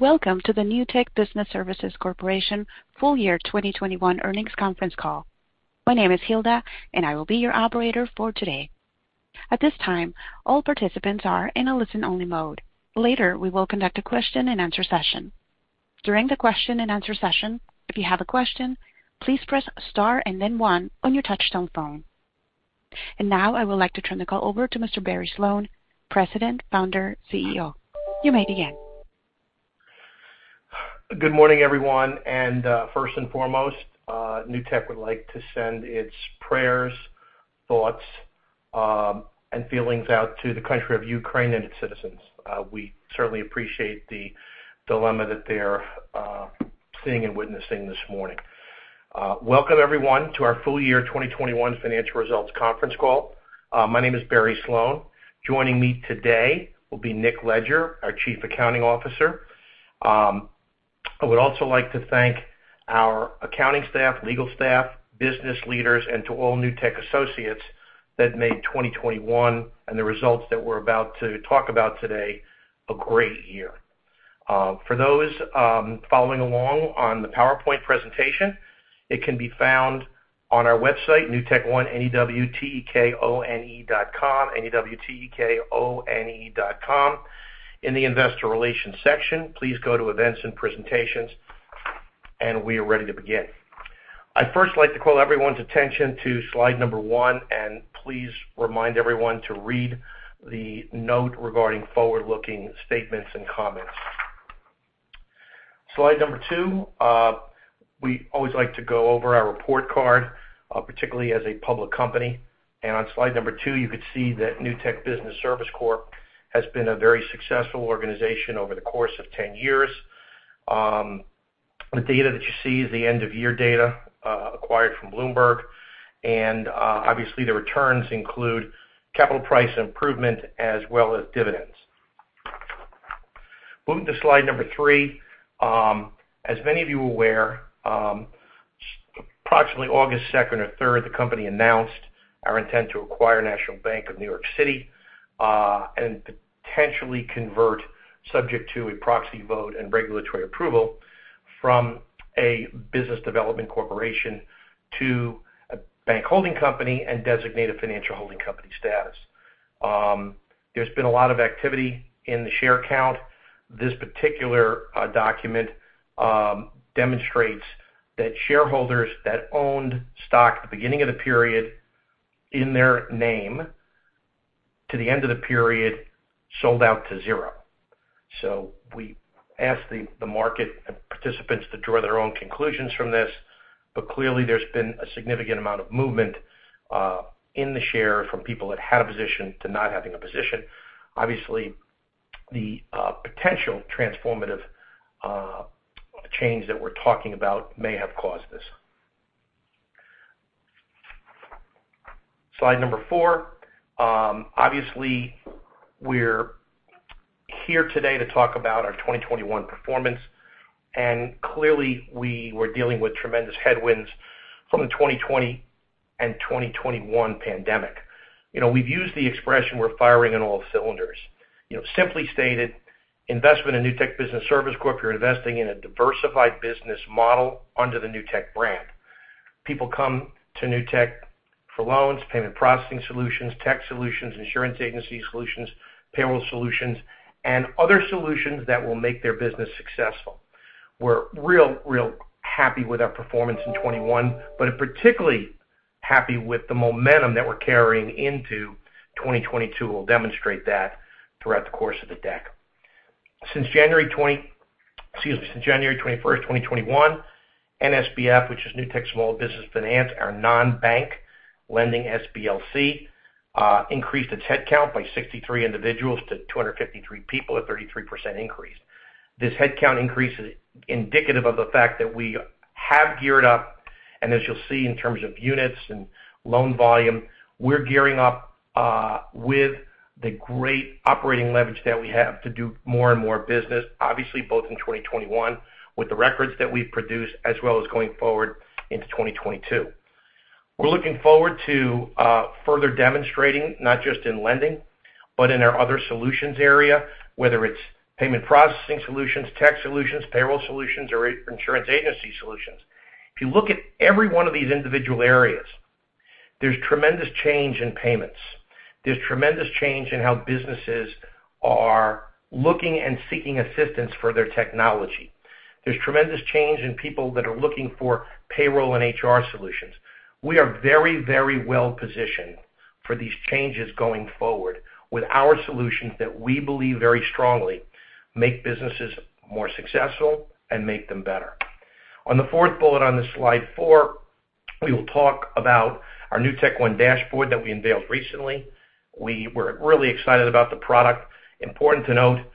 Welcome to the Newtek Business Services Corp. full year 2021 earnings conference call. My name is Hilda, and I will be your operator for today. At this time, all participants are in a listen-only mode. Later, we will conduct a question-and-answer session. During the question-and-answer session, if you have a question, please press star and then one on your touchtone phone. Now I would like to turn the call over to Mr. Barry Sloane, President, Founder, CEO. You may begin. Good morning, everyone. First and foremost, Newtek would like to send its prayers, thoughts, and feelings out to the country of Ukraine and its citizens. We certainly appreciate the dilemma that they're seeing and witnessing this morning. Welcome everyone to our full year 2021 financial results conference call. My name is Barry Sloane. Joining me today will be Nick Leger, our Chief Accounting Officer. I would also like to thank our accounting staff, legal staff, business leaders, and to all Newtek associates that made 2021 and the results that we're about to talk about today a great year. For those following along on the PowerPoint presentation, it can be found on our website, newtekone.com. In the investor relations section, please go to Events and Presentations, and we are ready to begin. I'd first like to call everyone's attention to slide number one, and please remind everyone to read the note regarding forward-looking statements and comments. Slide number two. We always like to go over our report card, particularly as a public company. On slide number two, you could see that Newtek Business Services Corp has been a very successful organization over the course of 10 years. The data that you see is the end-of-year data, acquired from Bloomberg. Obviously, the returns include capital price improvement as well as dividends. Moving to slide number three. As many of you are aware, approximately August second or third, the company announced our intent to acquire National Bank of New York City, and potentially convert, subject to a proxy vote and regulatory approval, from a business development corporation to a bank holding company and designate a financial holding company status. There's been a lot of activity in the share count. This particular document demonstrates that shareholders that owned stock at the beginning of the period in their name to the end of the period sold out to zero. We ask the market participants to draw their own conclusions from this, but clearly, there's been a significant amount of movement in the share from people that had a position to not having a position. Obviously, the potential transformative change that we're talking about may have caused this. Slide number four. Obviously, we're here today to talk about our 2021 performance, and clearly, we were dealing with tremendous headwinds from the 2020 and 2021 pandemic. You know, we've used the expression, we're firing on all cylinders. You know, simply stated, investment in Newtek Business Services Corp, you're investing in a diversified business model under the Newtek brand. People come to Newtek for loans, payment processing solutions, tech solutions, insurance agency solutions, payroll solutions, and other solutions that will make their business successful. We're real happy with our performance in 2021, but particularly happy with the momentum that we're carrying into 2022. We'll demonstrate that throughout the course of the deck. Since January 21st, 2021, NSBF, which is Newtek Small Business Finance, our non-bank lending SBLC, increased its headcount by 63 individuals to 253 people, a 33% increase. This headcount increase is indicative of the fact that we have geared up, and as you'll see in terms of units and loan volume, we're gearing up with the great operating leverage that we have to do more and more business, obviously, both in 2021 with the records that we've produced as well as going forward into 2022. We're looking forward to further demonstrating not just in lending, but in our other solutions area, whether it's payment processing solutions, tech solutions, payroll solutions, or insurance agency solutions. If you look at every one of these individual areas, there's tremendous change in payments. There's tremendous change in how businesses are looking and seeking assistance for their technology. There's tremendous change in people that are looking for payroll and HR solutions. We are very, very well positioned for these changes going forward with our solutions that we believe very strongly make businesses more successful and make them better. On the fourth bullet on the slide four, we will talk about our NewtekOne dashboard that we unveiled recently. We were really excited about the product. Important to note,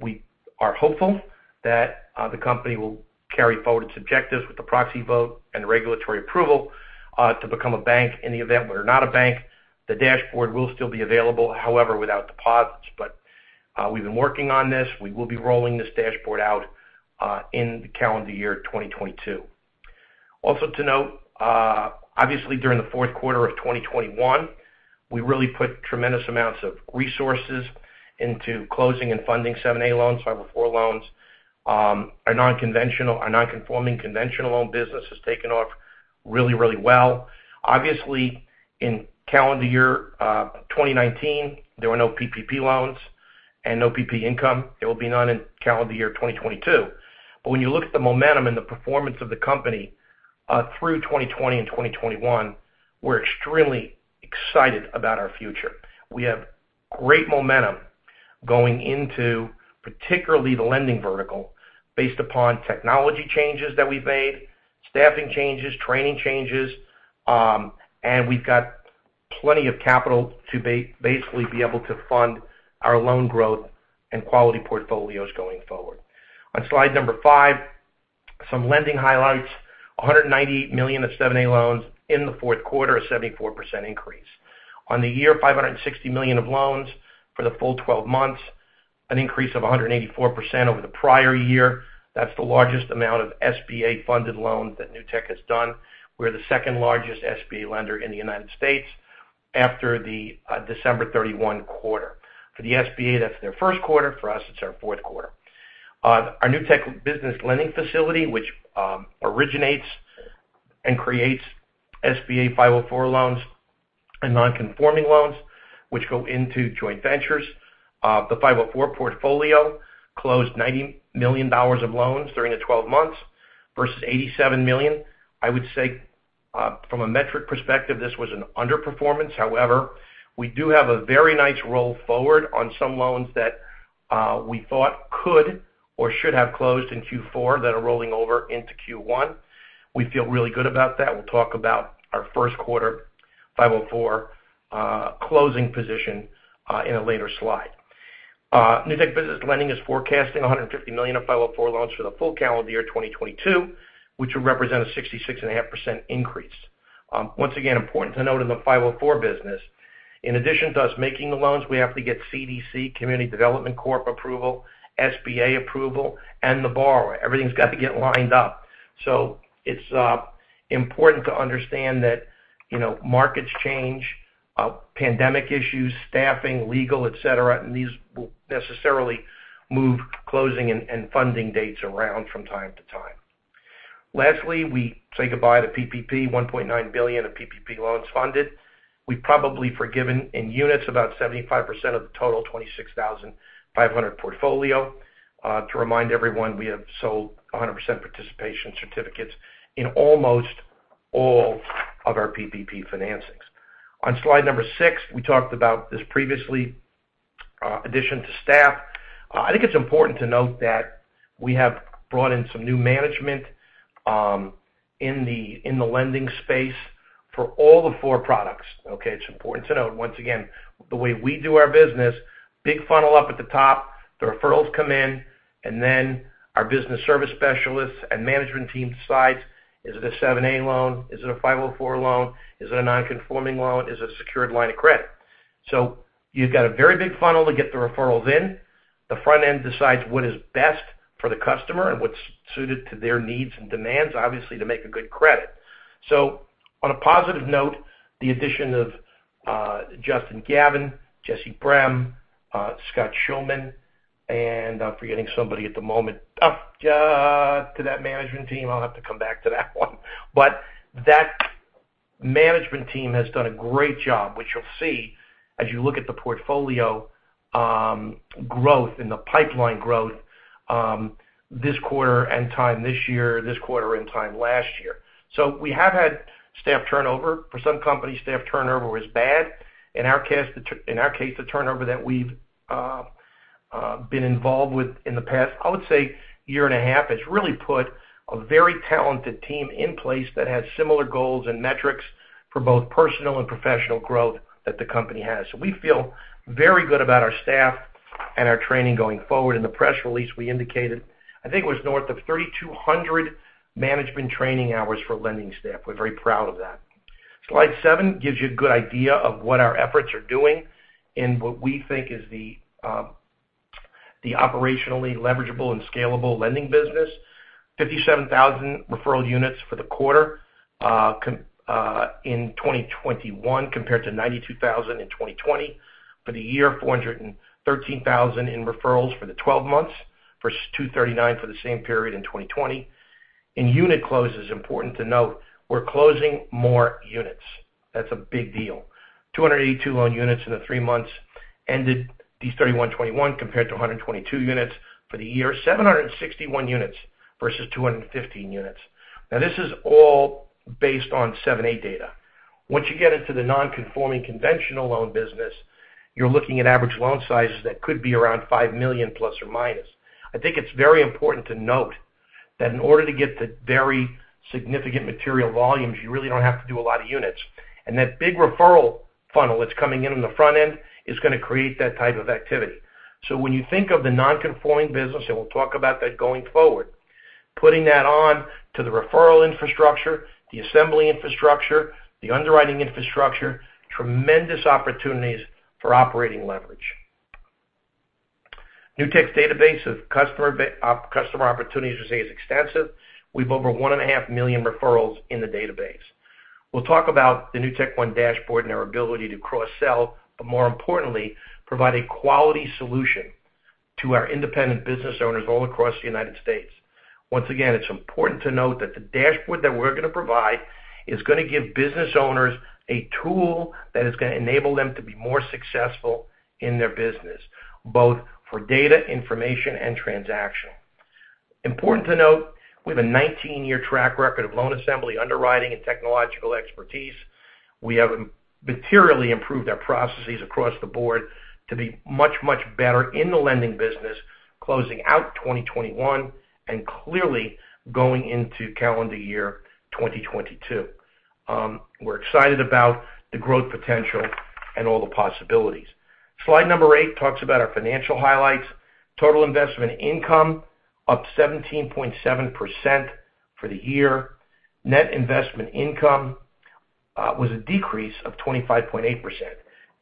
we are hopeful that the company will carry forward its objectives with the proxy vote and regulatory approval to become a bank. In the event we're not a bank, the dashboard will still be available, however, without deposits. We've been working on this. We will be rolling this dashboard out in the calendar year 2022. Also to note, obviously during the fourth quarter of 2021, we really put tremendous amounts of resources into closing and funding 7(a) loans, 504 loans. Our non-conforming conventional loan business has taken off really, really well. Obviously, in calendar year 2019, there were no PPP loans and no PPP income. There will be none in calendar year 2022. When you look at the momentum and the performance of the company through 2020 and 2021, we're extremely excited about our future. We have great momentum going into particularly the lending vertical based upon technology changes that we've made, staffing changes, training changes, and we've got plenty of capital to basically be able to fund our loan growth and quality portfolios going forward. On slide number five, some lending highlights. $198 million of 7(a) loans in the fourth quarter, a 74% increase. For the year, $560 million of loans for the full 12 months, an increase of 184% over the prior year. That's the largest amount of SBA-funded loans that Newtek has done. We're the second largest SBA lender in the U.S. after the December 31 quarter. For the SBA, that's their first quarter. For us, it's our fourth quarter. Our Newtek Business Lending facility, which originates and creates SBA 504 loans and non-conforming loans, which go into joint ventures. The 504 portfolio closed $90 million of loans during the 12 months versus $87 million. I would say, from a metric perspective, this was an underperformance. However, we do have a very nice roll forward on some loans that we thought could or should have closed in Q4 that are rolling over into Q1. We feel really good about that. We'll talk about our first quarter 504 closing position in a later slide. Newtek Business Lending is forecasting $150 million of 504 loans for the full calendar year 2022, which would represent a 66.5% increase. Once again, important to note in the 504 business, in addition to us making the loans, we have to get CDC, Certified Development Company approval, SBA approval, and the borrower. Everything's got to get lined up. It's important to understand that, you know, markets change, pandemic issues, staffing, legal, et cetera, and these will necessarily move closing and funding dates around from time to time. Lastly, we say goodbye to PPP. $1.9 billion of PPP loans funded. We've probably forgiven in units about 75% of the total 26,500 portfolio. To remind everyone, we have sold 100% participation certificates in almost all of our PPP financings. On slide number six, we talked about this previously, addition to staff. I think it's important to note that we have brought in some new management in the lending space for all four products, okay? It's important to note, once again, the way we do our business, big funnel up at the top, the referrals come in, and then our business service specialists and management team decides, is it a 7(a) loan? Is it a 504 loan? Is it a non-conforming loan? Is it a secured line of credit? You've got a very big funnel to get the referrals in. The front end decides what is best for the customer and what's suited to their needs and demands, obviously, to make a good credit. On a positive note, the addition of Justin Gavin, Jessye Brem, Scott Shulman, and I'm forgetting somebody at the moment. Oh, to that management team. I'll have to come back to that one. That management team has done a great job, which you'll see as you look at the portfolio growth and the pipeline growth this quarter and time this year, this quarter and time last year. We have had staff turnover. For some companies, staff turnover is bad. In our case, the turnover that we've been involved with in the past, I would say year and a half, has really put a very talented team in place that has similar goals and metrics for both personal and professional growth that the company has. We feel very good about our staff and our training going forward. In the press release, we indicated, I think it was north of 3,200 management training hours for lending staff. We're very proud of that. Slide seven gives you a good idea of what our efforts are doing in what we think is the operationally leverageable and scalable lending business. 57,000 referral units for the quarter in 2021 compared to 92,000 in 2020. For the year, 413,000 in referrals for the 12 months versus 239,000 for the same period in 2020. In unit closes, important to note, we're closing more units. That's a big deal. 282 loan units in the three months ended December 2021 compared to 122 units. For the year, 761 units versus 215 units. Now, this is all based on 7(a) data. Once you get into the non-conforming conventional loan business, you're looking at average loan sizes that could be around $5 million±. I think it's very important to note that in order to get the very significant material volumes, you really don't have to do a lot of units. That big referral funnel that's coming in on the front end is gonna create that type of activity. When you think of the non-conforming business, and we'll talk about that going forward, putting that on to the referral infrastructure, the assembly infrastructure, the underwriting infrastructure, tremendous opportunities for operating leverage. Newtek's database of customer opportunities, which they say is extensive. We have over 1.5 million referrals in the database. We'll talk about the NewtekOne Dashboard and our ability to cross-sell, but more importantly, provide a quality solution to our independent business owners all across the United States. Once again, it's important to note that the dashboard that we're gonna provide is gonna give business owners a tool that is gonna enable them to be more successful in their business, both for data information and transaction. Important to note, we have a 19-year track record of loan assembly, underwriting, and technological expertise. We have materially improved our processes across the board to be much, much better in the lending business, closing out 2021, and clearly going into calendar year 2022. We're excited about the growth potential and all the possibilities. Slide number eight talks about our financial highlights. Total investment income up 17.7% for the year. Net investment income was a decrease of 25.8%.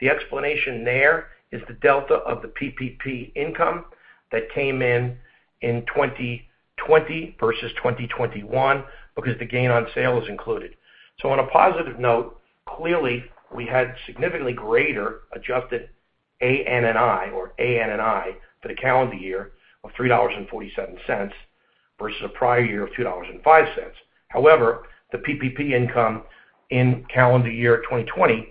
The explanation there is the delta of the PPP income that came in 2020 versus 2021 because the gain on sale is included. On a positive note, clearly, we had significantly greater adjusted ANII or ANII for the calendar year of $3.47 versus the prior year of $2.05. However, the PPP income in calendar year 2020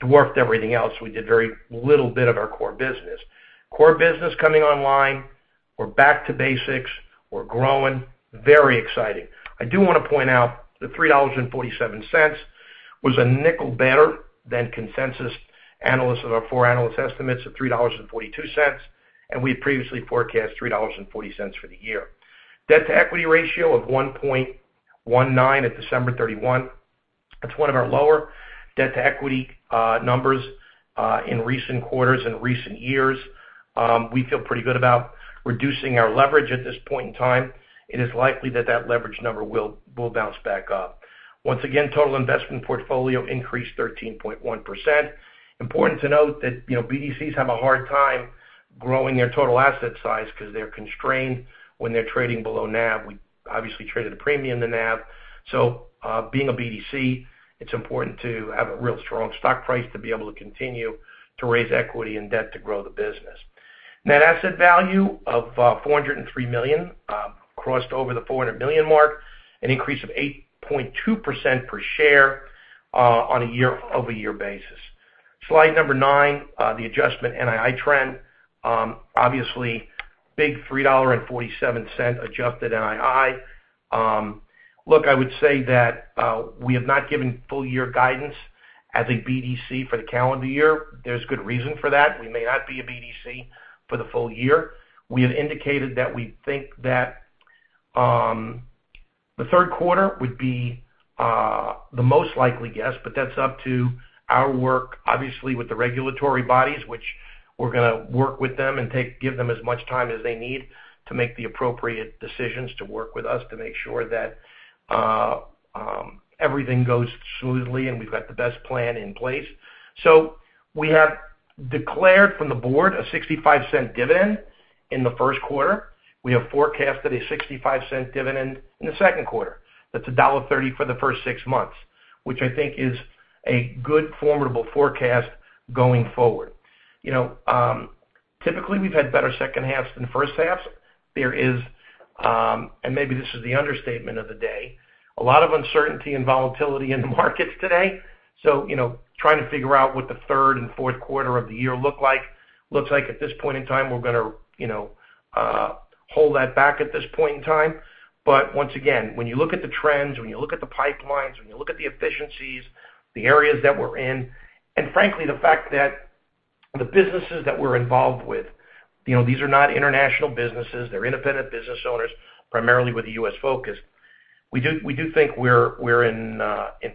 dwarfed everything else. We did very little bit of our core business. Core business coming online. We're back to basics. We're growing. Very exciting. I do wanna point out the $3.47 was a nickel better than consensus analysts of our four analyst estimates of $3.42, and we had previously forecast $3.40 for the year. Debt-to-equity ratio of 1.19 at December 31. That's one of our lower debt-to-equity numbers in recent quarters and recent years. We feel pretty good about reducing our leverage at this point in time. It is likely that that leverage number will bounce back up. Once again, total investment portfolio increased 13.1%. Important to note that, you know, BDCs have a hard time growing their total asset size because they're constrained when they're trading below NAV. We obviously traded a premium to NAV. Being a BDC, it's important to have a real strong stock price to be able to continue to raise equity and debt to grow the business. Net asset value of $403 million crossed over the $400 million mark, an increase of 8.2% per share on a year-over-year basis. Slide nine, the adjusted NII trend. Obviously, big $3.47 adjusted NII. Look, I would say that we have not given full year guidance as a BDC for the calendar year. There's good reason for that. We may not be a BDC for the full year. We have indicated that we think that the third quarter would be the most likely guess, but that's up to our work, obviously, with the regulatory bodies, which we're gonna work with them and give them as much time as they need to make the appropriate decisions to work with us to make sure that everything goes smoothly and we've got the best plan in place. We have declared from the Board a $0.65 dividend in the first quarter. We have forecasted a $0.65 dividend in the second quarter. That's $1.30 for the first six months, which I think is a good formidable forecast going forward. You know, typically, we've had better second halves than first halves. There is, and maybe this is the understatement of the day, a lot of uncertainty and volatility in the markets today. You know, trying to figure out what the third and fourth quarter of the year look like. Looks like at this point in time, we're gonna, you know, hold that back at this point in time. But once again, when you look at the trends, when you look at the pipelines, when you look at the efficiencies, the areas that we're in, and frankly, the fact that the businesses that we're involved with, you know, these are not international businesses. They're independent business owners, primarily with a U.S. focus. We do think we're in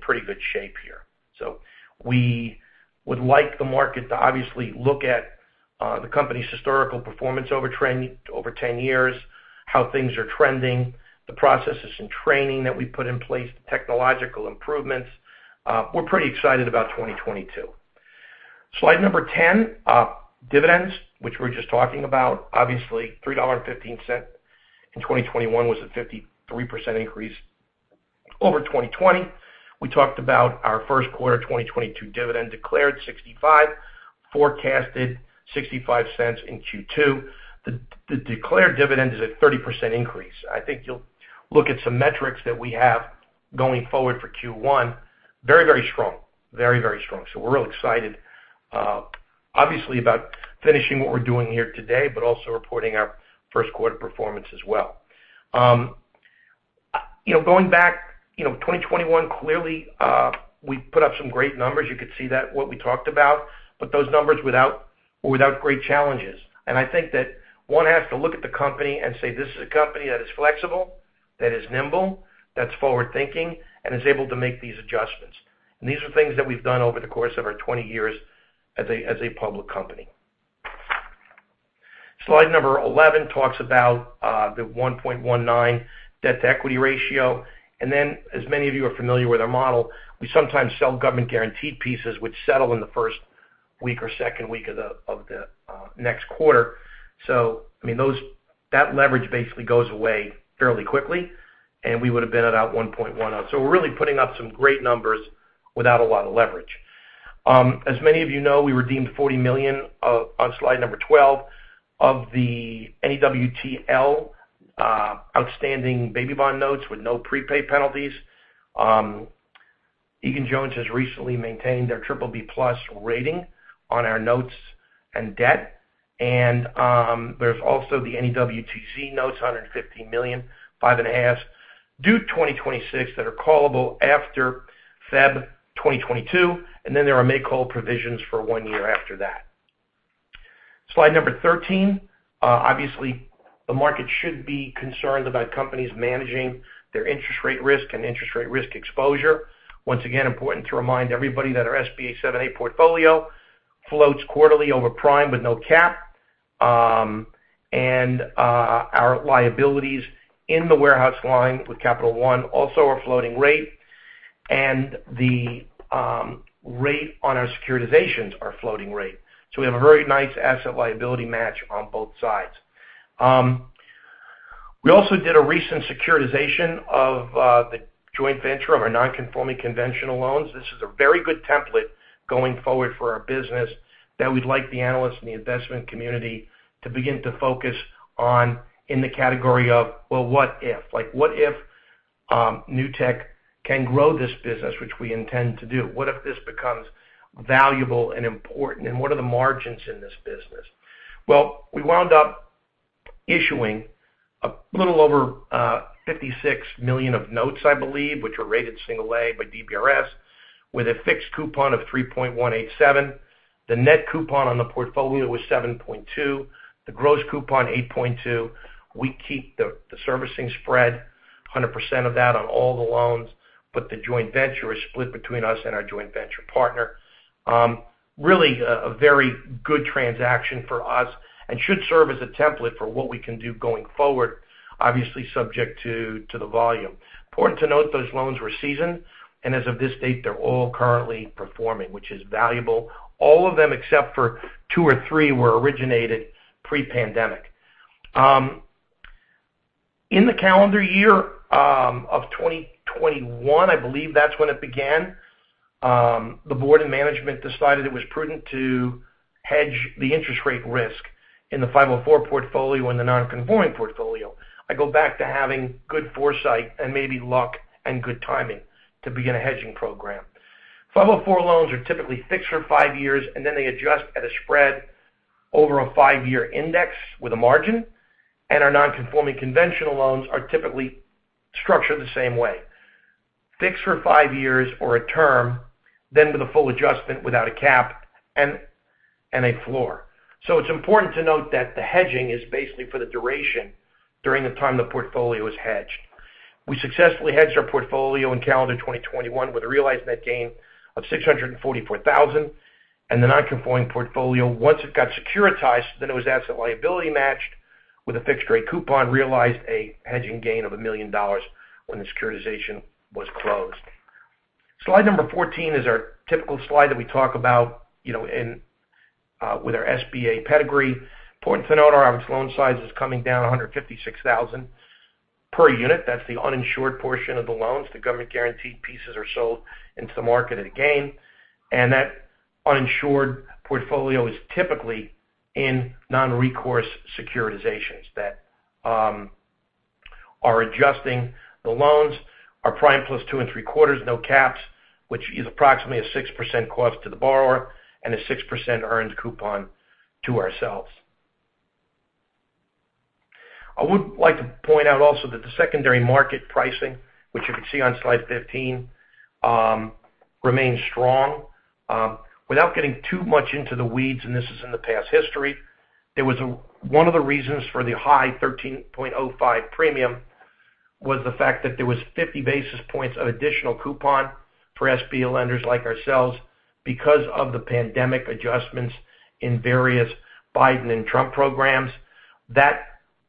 pretty good shape here. We would like the market to obviously look at the company's historical performance over 10 years, how things are trending, the processes and training that we put in place, the technological improvements. We're pretty excited about 2022. Slide number 10, dividends, which we were just talking about. Obviously, $3.15 in 2021 was a 53% increase over 2020. We talked about our first quarter 2022 dividend declared $0.65, forecasted $0.65 in Q2. The declared dividend is a 30% increase. I think you'll look at some metrics that we have going forward for Q1. Very strong. Very strong. We're real excited, obviously about finishing what we're doing here today, but also reporting our first quarter performance as well. You know, going back, you know, 2021, clearly, we put up some great numbers. You could see that, what we talked about. Those numbers were without great challenges. I think that one has to look at the company and say, "This is a company that is flexible, that is nimble, that's forward-thinking, and is able to make these adjustments." These are things that we've done over the course of our 20 years as a public company. Slide number 11 talks about the 1.19 debt-to-equity ratio. As many of you are familiar with our model, we sometimes sell government guaranteed pieces which settle in the first week or second week of the next quarter. I mean, that leverage basically goes away fairly quickly, and we would have been at about 1.1. We're really putting up some great numbers without a lot of leverage. As many of you know, we redeemed $40 million on slide 12 of the NEWTL outstanding baby bond notes with no prepay penalties. Egan-Jones has recently maintained their BBB+ rating on our notes and debt. There's also the NEWTZ notes, $150 million, 5.5% due 2026 that are callable after Feb. 2022. Then there are make-whole provisions for one year after that. Slide 13. Obviously, the market should be concerned about companies managing their interest rate risk and interest rate risk exposure. Once again, important to remind everybody that our SBA 7(a) portfolio floats quarterly over prime with no cap. Our liabilities in the warehouse line with Capital One also are floating rate. The rate on our securitizations are floating rate. We have a very nice asset liability match on both sides. We also did a recent securitization of the joint venture of our non-conforming conventional loans. This is a very good template going forward for our business that we'd like the analysts and the investment community to begin to focus on in the category of, well, what if? Like, what if Newtek can grow this business, which we intend to do? What if this becomes valuable and important? And what are the margins in this business? Well, we wound up issuing a little over $56 million of notes, I believe, which were rated single A by DBRS, with a fixed coupon of 3.187%. The net coupon on the portfolio was 7.2%. The gross coupon, 8.2%. We keep the servicing spread 100% of that on all the loans, but the joint venture is split between us and our joint venture partner. Really a very good transaction for us and should serve as a template for what we can do going forward, obviously subject to the volume. Important to note, those loans were seasoned, and as of this date, they're all currently performing, which is valuable. All of them, except for two or three, were originated pre-pandemic. In the calendar year of 2021, I believe that's when it began, the board and management decided it was prudent to hedge the interest rate risk in the 504 portfolio and the non-conforming portfolio. I go back to having good foresight and maybe luck and good timing to begin a hedging program. 504 loans are typically fixed for five years, and then they adjust at a spread over a five-year index with a margin, and our non-conforming conventional loans are typically structured the same way. Fixed for five years or a term, then with a full adjustment without a cap and a floor. It's important to note that the hedging is basically for the duration during the time the portfolio is hedged. We successfully hedged our portfolio in calendar 2021 with a realized net gain of $644,000. The non-conforming portfolio, once it got securitized, then it was asset liability matched with a fixed rate coupon, realized a hedging gain of $1 million when the securitization was closed. Slide number 14 is our typical slide that we talk about, you know, in with our SBA pedigree. Important to note, our average loan size is coming down $156,000 per unit. That's the uninsured portion of the loans. The government guaranteed pieces are sold into the market at a gain. That uninsured portfolio is typically in non-recourse securitizations that are prime +2.75, no caps, which is approximately a 6% cost to the borrower and a 6% earned coupon to ourselves. I would like to point out also that the secondary market pricing, which you can see on slide 15, remains strong. Without getting too much into the weeds, and this is in the past history, there was one of the reasons for the high 13.05 premium was the fact that there was 50 basis points of additional coupon for SBA lenders like ourselves because of the pandemic adjustments in various Biden and Trump programs. That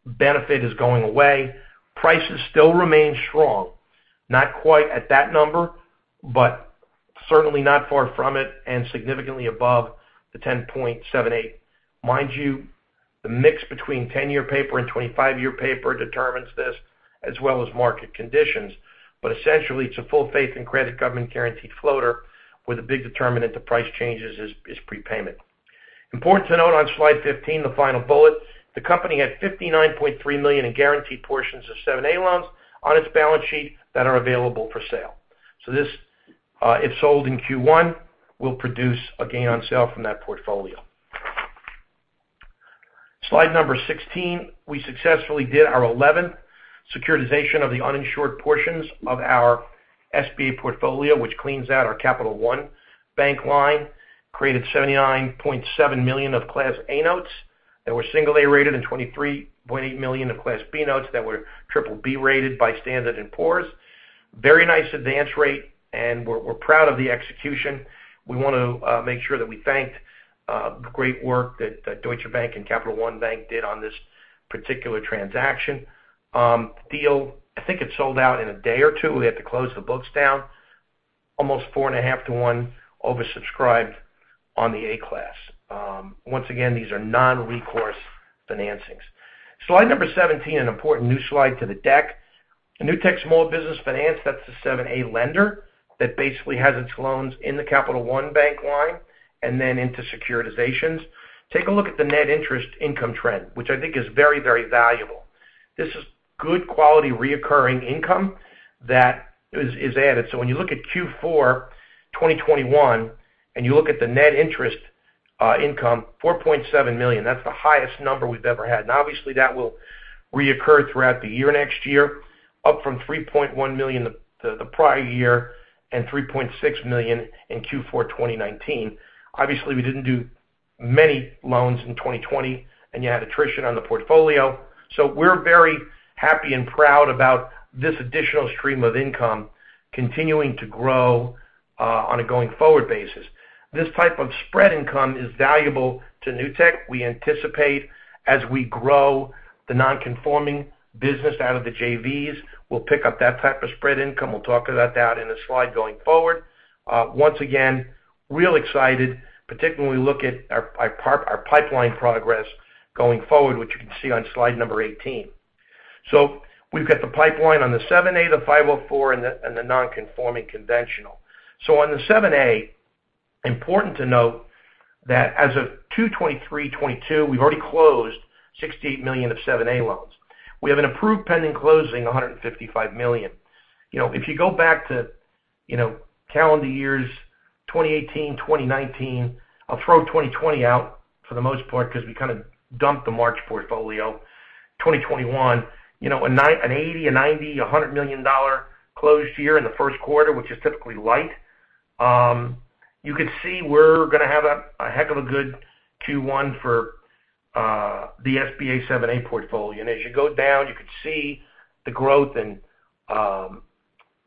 benefit is going away. Prices still remain strong, not quite at that number, but certainly not far from it and significantly above the 10.78. Mind you, the mix between 10-year paper and 25-year paper determines this as well as market conditions. Essentially, it's a full faith and credit government guaranteed floater with a big determinant to price changes is prepayment. Important to note on slide 15, the final bullet, the company had $59.3 million in guaranteed portions of 7(a) loans on its balance sheet that are available for sale. This, if sold in Q1, will produce a gain on sale from that portfolio. Slide number 16. We successfully did our 11th securitization of the uninsured portions of our SBA portfolio, which cleans out our Capital One bank line. Created $79.7 million of Class A notes that were single A-rated and $23.8 million of Class B notes that were BBB rated by Standard & Poor's. Very nice advance rate, and we're proud of the execution. We want to make sure that we thank the great work that Deutsche Bank and Capital One Bank did on this particular transaction. The deal, I think it sold out in a day or two. We had to close the books down. Almost 4.5 to one oversubscribed on the A class. Once again, these are non-recourse financings. Slide number 17, an important new slide to the deck. Newtek Small Business Finance, that's the 7(a) lender that basically has its loans in the Capital One bank line and then into securitizations. Take a look at the net interest income trend, which I think is very, very valuable. This is good quality recurring income that is added. When you look at Q4 2021, and you look at the net interest income, $4.7 million, that's the highest number we've ever had. Obviously, that will reoccur throughout the year next year, up from $3.1 million the prior year and $3.6 million in Q4 2019. Obviously, we didn't do many loans in 2020, and you had attrition on the portfolio. We're very happy and proud about this additional stream of income continuing to grow on a going-forward basis. This type of spread income is valuable to Newtek. We anticipate as we grow the non-conforming business out of the JVs, we'll pick up that type of spread income. We'll talk about that in a slide going forward. Once again, really excited, particularly when we look at our pipeline progress going forward, which you can see on slide number 18. We've got the pipeline on the 7(a), the 504 and the non-conforming conventional. on the 7(a), important to note that as of 2023, 2022, we've already closed $68 million of 7(a) loans. We have an approved pending closing, $155 million. You know, if you go back to, you know, calendar years, 2018, 2019, I'll throw 2020 out for the most part 'cause we kinda dumped the March portfolio, 2021. You know, an $80 million, a $90 million, a $100 million closed year in the first quarter, which is typically light. You could see we're gonna have a heck of a good Q1 for the SBA 7(a) portfolio. As you go down, you could see the growth in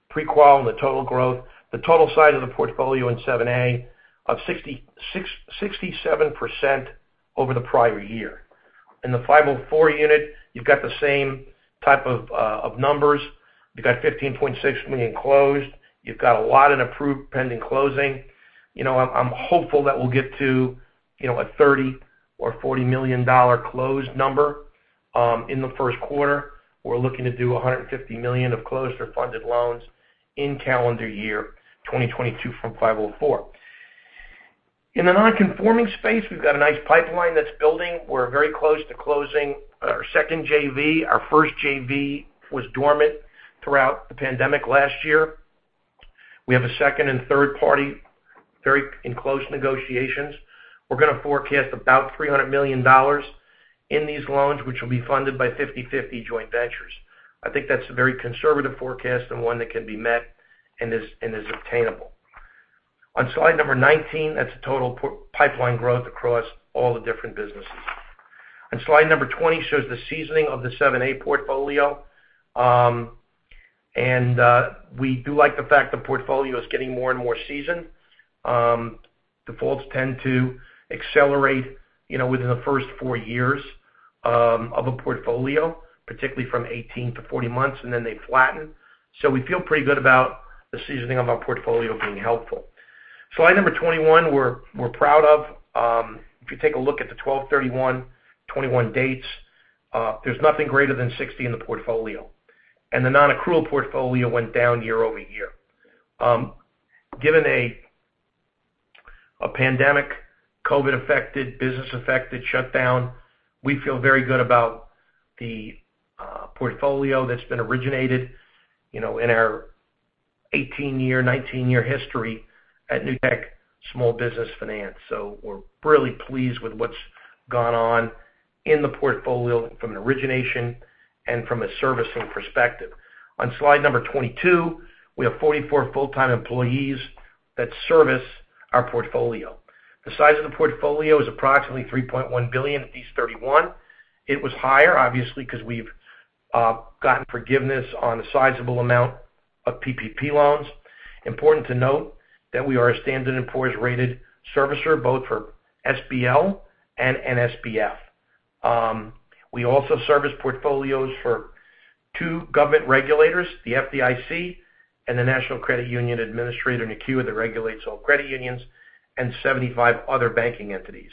pre-qual and the total growth. The total size of the portfolio in 7(a) of 67% over the prior year. In the 504 unit, you've got the same type of of numbers. You've got $15.6 million closed. You've got a lot in approved pending closing. You know, I'm hopeful that we'll get to, you know, a $30 million-$40 million closed number in the first quarter. We're looking to do $150 million of closed or funded loans in calendar year 2022 from 504. In the non-conforming space, we've got a nice pipeline that's building. We're very close to closing our second JV. Our first JV was dormant throughout the pandemic last year. We have a second and third party in close negotiations. We're gonna forecast about $300 million in these loans, which will be funded by 50/50 joint ventures. I think that's a very conservative forecast and one that can be met and is obtainable. On slide number 19, that's the total pipeline growth across all the different businesses. On slide number 20 shows the seasoning of the 7(a) portfolio. We do like the fact the portfolio is getting more and more seasoned. Defaults tend to accelerate, you know, within the first four years of a portfolio, particularly from 18 to 40 months, and then they flatten. We feel pretty good about the seasoning of our portfolio being helpful. Slide number 21, we're proud of. If you take a look at the 12/31/2021 dates, there's nothing greater than 60 in the portfolio. The non-accrual portfolio went down year-over-year. Given a pandemic, COVID-affected, business-affected shutdown, we feel very good about the portfolio that's been originated, you know, in our 18-year, 19-year history at Newtek Small Business Finance. We're really pleased with what's gone on in the portfolio from an origination and from a servicing perspective. On slide number 22, we have 44 full-time employees that service our portfolio. The size of the portfolio is approximately $3.1 billion is 31. It was higher, obviously, 'cause we've gotten forgiveness on a sizable amount of PPP loans. Important to note that we are a Standard & Poor's rated servicer, both for SBL and NSBF. We also service portfolios for two government regulators, the FDIC and the National Credit Union Administration, NCUA, that regulates all credit unions, and 75 other banking entities.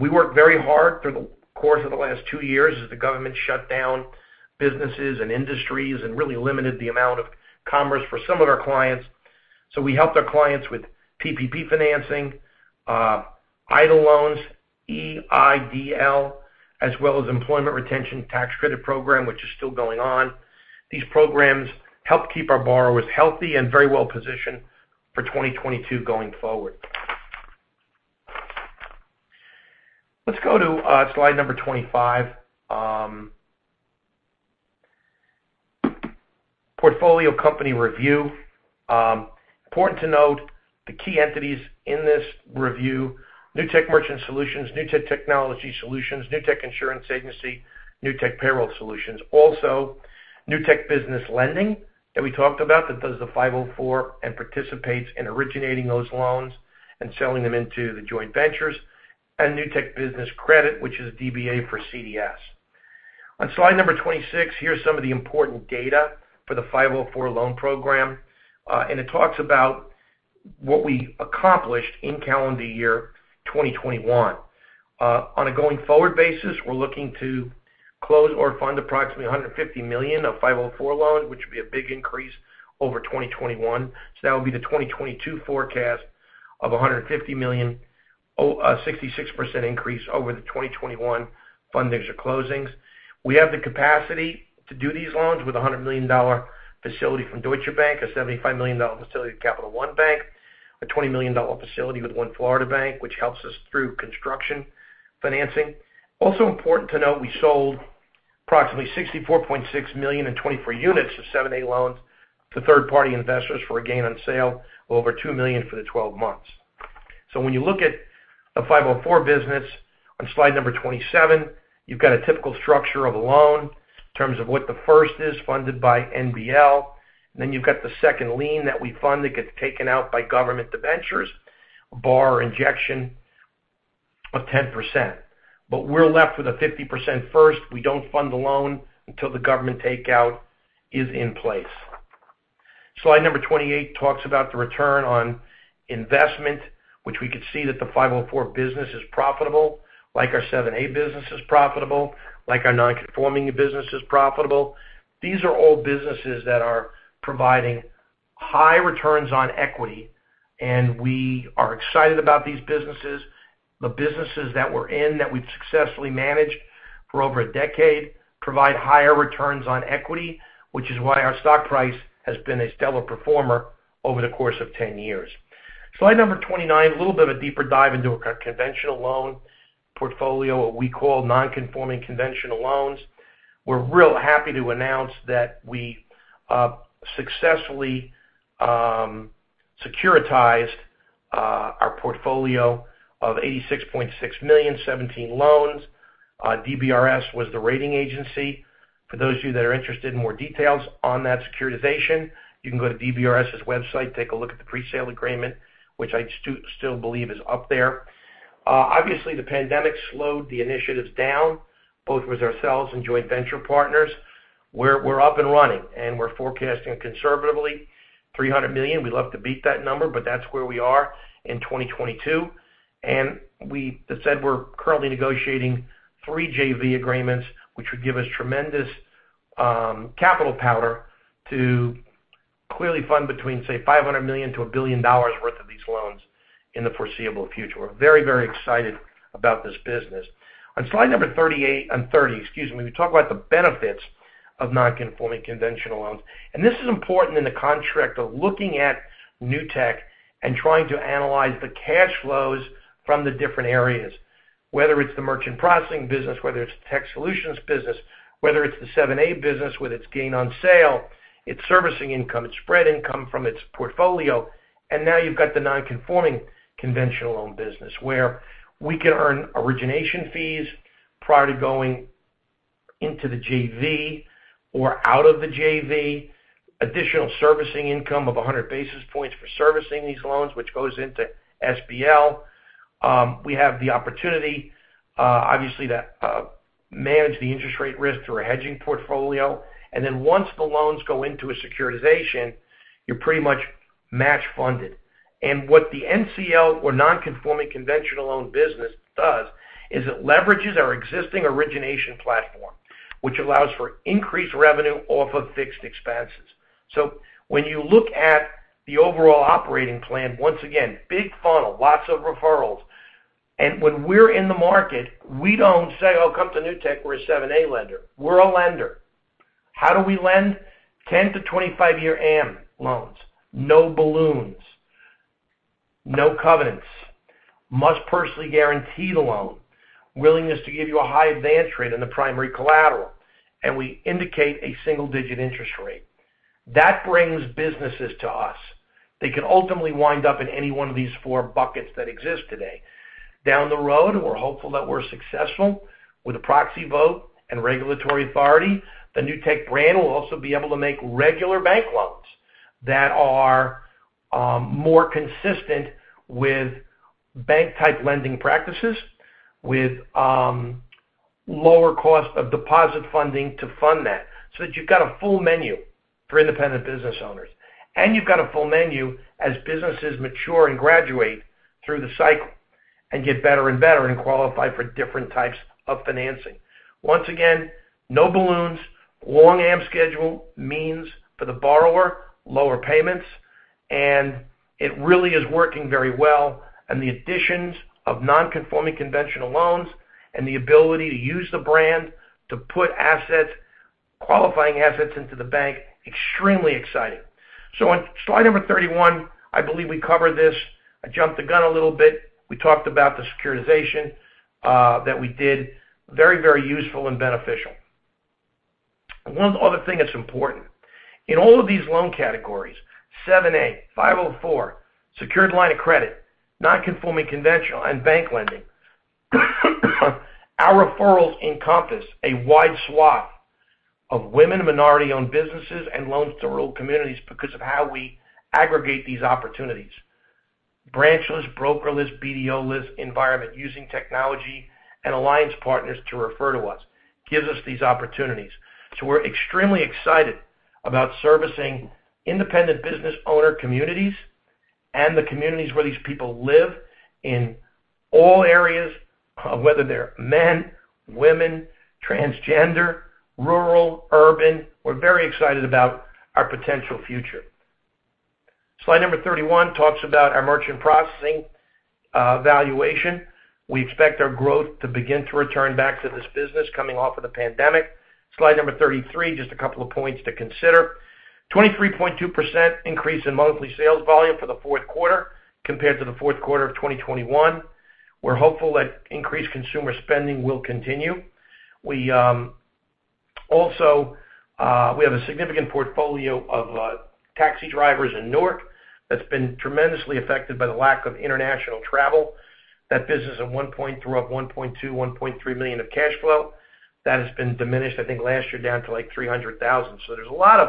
We worked very hard through the course of the last two years as the government shut down businesses and industries and really limited the amount of commerce for some of our clients. We helped our clients with PPP financing, EIDL loans, EIDL, as well as Employee Retention Tax Credit program, which is still going on. These programs helped keep our borrowers healthy and very well-positioned for 2022 going forward. Let's go to slide number 25. Portfolio company review. Important to note the key entities in this review, Newtek Merchant Solutions, Newtek Technology Solutions, Newtek Insurance Agency, Newtek Payroll Solutions. Also, Newtek Business Lending that we talked about that does the 504 and participates in originating those loans and selling them into the joint ventures. Newtek Business Credit, which is a DBA for CDS. On slide number 26, here's some of the important data for the 504 loan program. It talks about what we accomplished in calendar year 2021. On a going forward basis, we're looking to close or fund approximately $150 million of 504 loans, which would be a big increase over 2021. That would be the 2022 forecast of $150 million, a 66% increase over the 2021 fundings or closings. We have the capacity to do these loans with a $100 million facility from Deutsche Bank, a $75 million facility with Capital One Bank, a $20 million facility with One Florida Bank, which helps us through construction financing. Also important to note, we sold approximately $64.6 million in 24 units of 7(a) loans to third-party investors for a gain on sale of over $2 million for the 12 months. When you look at a 504 business on slide number 27, you've got a typical structure of a loan in terms of what the first is funded by NBL. You've got the second lien that we fund that gets taken out by government debentures, our injection of 10%. We're left with a 50% first. We don't fund the loan until the government takeout is in place. Slide number 28 talks about the return on investment, where we can see that the 504 business is profitable, like our 7(a) business is profitable, like our non-conforming business is profitable. These are all businesses that are providing high returns on equity, and we are excited about these businesses. The businesses that we're in, that we've successfully managed for over a decade, provide higher returns on equity, which is why our stock price has been a stellar performer over the course of 10 years. Slide number 29, a little bit of a deeper dive into our conventional loan portfolio, what we call non-conforming conventional loans. We're real happy to announce that we successfully securitized our portfolio of $86.6 million, 17 loans. DBRS was the rating agency. For those of you that are interested in more details on that securitization, you can go to DBRS's website, take a look at the presale agreement, which I still believe is up there. Obviously, the pandemic slowed the initiatives down, both with ourselves and joint venture partners. We're up and running, and we're forecasting conservatively $300 million. We'd love to beat that number, but that's where we are in 2022. As said, we're currently negotiating three JV agreements, which would give us tremendous capital power to clearly fund between, say, $500 million-$1 billion worth of these loans in the foreseeable future. We're very, very excited about this business. On slide number 30, we talk about the benefits of non-conforming conventional loans. This is important in the context of looking at NewtekOne and trying to analyze the cash flows from the different areas, whether it's the merchant processing business, whether it's the tech solutions business, whether it's the 7(a) business with its gain on sale, its servicing income, its spread income from its portfolio. Now you've got the non-conforming conventional loan business where we can earn origination fees prior to going into the JV or out of the JV, additional servicing income of 100 basis points for servicing these loans, which goes into SBL. We have the opportunity, obviously, to manage the interest rate risk through a hedging portfolio. Then once the loans go into a securitization, you're pretty much match funded. What the NCL or non-conforming conventional loan business does is it leverages our existing origination platform, which allows for increased revenue off of fixed expenses. When you look at the overall operating plan, once again, big funnel, lots of referrals. When we're in the market, we don't say, "Oh, come to Newtek. We're a 7(a) lender." We're a lender. How do we lend? 10 to 25-year AM loans. No balloons. No covenants. Must personally guarantee the loan. Willingness to give you a high advance rate on the primary collateral. We indicate a single-digit interest rate. That brings businesses to us. They can ultimately wind up in any one of these four buckets that exist today. Down the road, we're hopeful that we're successful with a proxy vote and regulatory authority. The Newtek brand will also be able to make regular bank loans that are more consistent with bank-type lending practices, with lower cost of deposit funding to fund that. That you've got a full menu for independent business owners, and you've got a full menu as businesses mature and graduate through the cycle and get better and better and qualify for different types of financing. Once again, no balloons. Long AM schedule means for the borrower, lower payments. It really is working very well. The additions of non-conforming conventional loans and the ability to use the brand to put assets, qualifying assets into the bank, extremely exciting. On slide number 31, I believe we covered this. I jumped the gun a little bit. We talked about the securitization that we did. Very, very useful and beneficial. One other thing that's important. In all of these loan categories, 7(a), 504, secured line of credit, non-conforming conventional, and bank lending, our referrals encompass a wide swath of women and minority-owned businesses and loans to rural communities because of how we aggregate these opportunities. Branchless, brokerless, BDO-less environment using technology and alliance partners to refer to us gives us these opportunities. We're extremely excited about servicing independent business owner communities and the communities where these people live in all areas, whether they're men, women, transgender, rural, urban. We're very excited about our potential future. Slide number 31 talks about our merchant processing, valuation. We expect our growth to begin to return back to this business coming off of the pandemic. Slide number 33, just a couple of points to consider. 23.2% increase in monthly sales volume for the fourth quarter compared to the fourth quarter of 2021. We're hopeful that increased consumer spending will continue. We also have a significant portfolio of taxi drivers in Newark that's been tremendously affected by the lack of international travel. That business at one point threw up $1.2 million-$1.3 million of cash flow. That has been diminished, I think last year, down to like $300,000. There's a lot of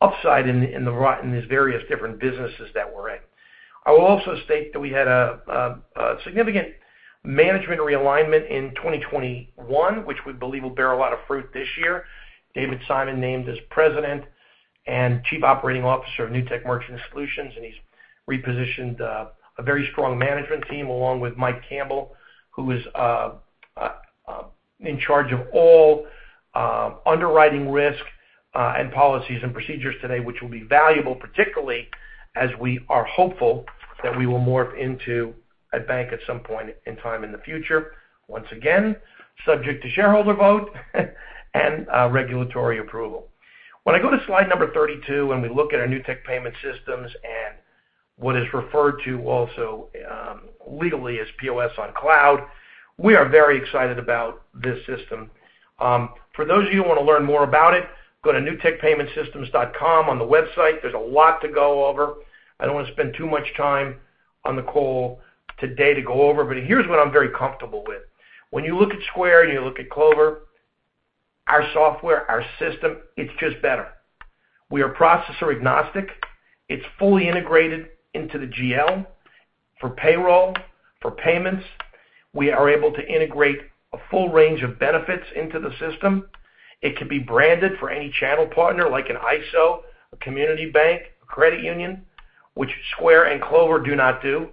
upside in these various different businesses that we're in. I will also state that we had a significant management realignment in 2021, which we believe will bear a lot of fruit this year. David Simon named as President and Chief Operating Officer of Newtek Merchant Solutions, and he's repositioned a very strong management team along with Mike Campbell, who is in charge of all underwriting risk and policies and procedures today, which will be valuable, particularly as we are hopeful that we will morph into a bank at some point in time in the future. Once again, subject to shareholder vote and regulatory approval. When I go to slide number 32, and we look at our Newtek Payment Systems and what is referred to also legally as POS on Cloud, we are very excited about this system. For those of you who want to learn more about it, go to newtekpaymentsystems.com on the website. There's a lot to go over. I don't want to spend too much time on the call today to go over, but here's what I'm very comfortable with. When you look at Square and you look at Clover, our software, our system, it's just better. We are processor agnostic. It's fully integrated into the GL for payroll, for payments. We are able to integrate a full range of benefits into the system. It can be branded for any channel partner like an ISO, a community bank, a credit union, which Square and Clover do not do.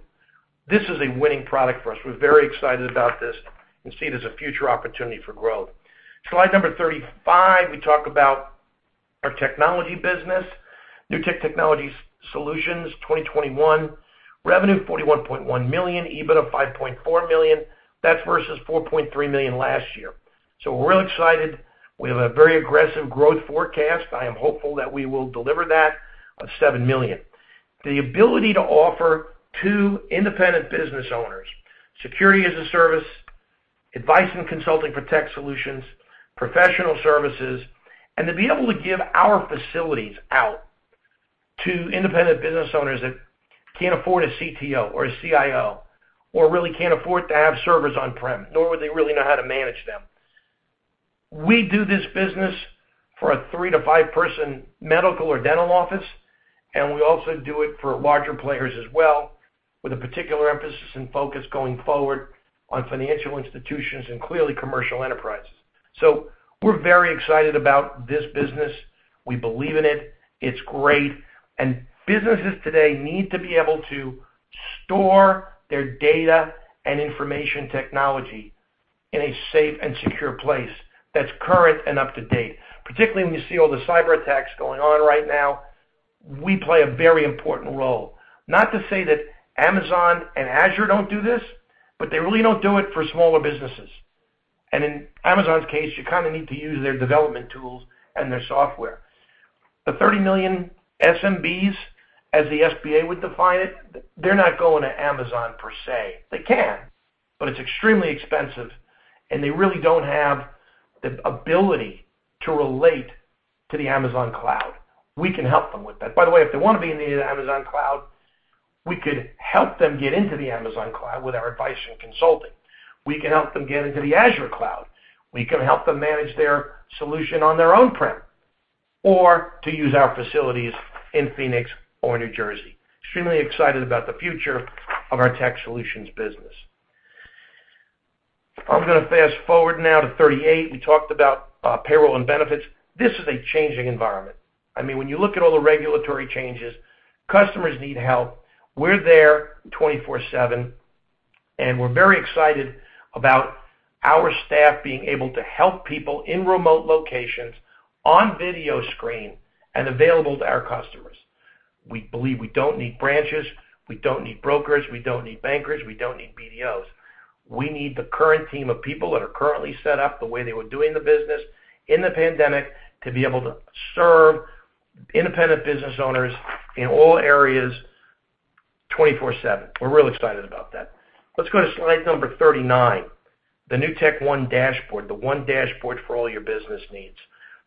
This is a winning product for us. We're very excited about this and see it as a future opportunity for growth. Slide number 35, we talk about our technology business. Newtek Technology Solutions, 2021, revenue $41.1 million, EBIT of $5.4 million. That's versus $4.3 million last year. We're real excited. We have a very aggressive growth forecast. I am hopeful that we will deliver that of $7 million. The ability to offer to independent business owners security as a service, advice and consulting for tech solutions, professional services, and to be able to give our facilities out to independent business owners that can't afford a CTO or a CIO or really can't afford to have servers on-prem, nor would they really know how to manage them. We do this business for a three to five-person medical or dental office, and we also do it for larger players as well, with a particular emphasis and focus going forward on financial institutions and clearly commercial enterprises. We're very excited about this business. We believe in it. It's great. Businesses today need to be able to store their data and information technology in a safe and secure place that's current and up-to-date. Particularly when you see all the cyberattacks going on right now, we play a very important role. Not to say that Amazon and Azure don't do this, but they really don't do it for smaller businesses. In Amazon's case, you kind of need to use their development tools and their software. The 30 million SMBs, as the SBA would define it, they're not going to Amazon per se. They can, but it's extremely expensive, and they really don't have the ability to relate to the Amazon cloud. We can help them with that. By the way, if they want to be in the Amazon cloud, we could help them get into the Amazon cloud with our advice and consulting. We can help them get into the Azure cloud. We can help them manage their solution on their on-prem or to use our facilities in Phoenix or New Jersey. Extremely excited about the future of our tech solutions business. I'm gonna fast-forward now to 38. We talked about payroll and benefits. This is a changing environment. I mean, when you look at all the regulatory changes, customers need help. We're there 24/7, and we're very excited about our staff being able to help people in remote locations on video screen and available to our customers. We believe we don't need branches. We don't need brokers. We don't need bankers. We don't need BDOs. We need the current team of people that are currently set up the way they were doing the business in the pandemic to be able to serve independent business owners in all areas 24/7. We're real excited about that. Let's go to slide number 39, the NewtekOne Dashboard, the one dashboard for all your business needs,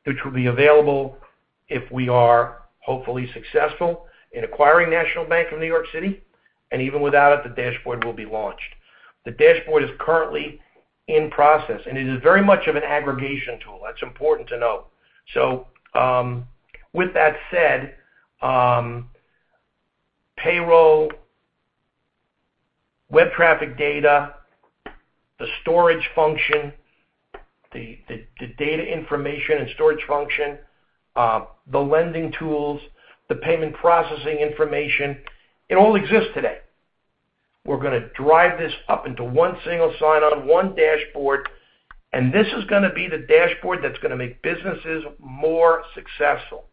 which will be available if we are hopefully successful in acquiring National Bank of New York City. Even without it, the dashboard will be launched. The dashboard is currently in process, and it is very much of an aggregation tool. That's important to know. With that said, payroll, web traffic data, the storage function, the data information and storage function, the lending tools, the payment processing information, it all exists today. We're gonna drive this up into one single sign-on, one dashboard, and this is gonna be the dashboard that's gonna make businesses more successful.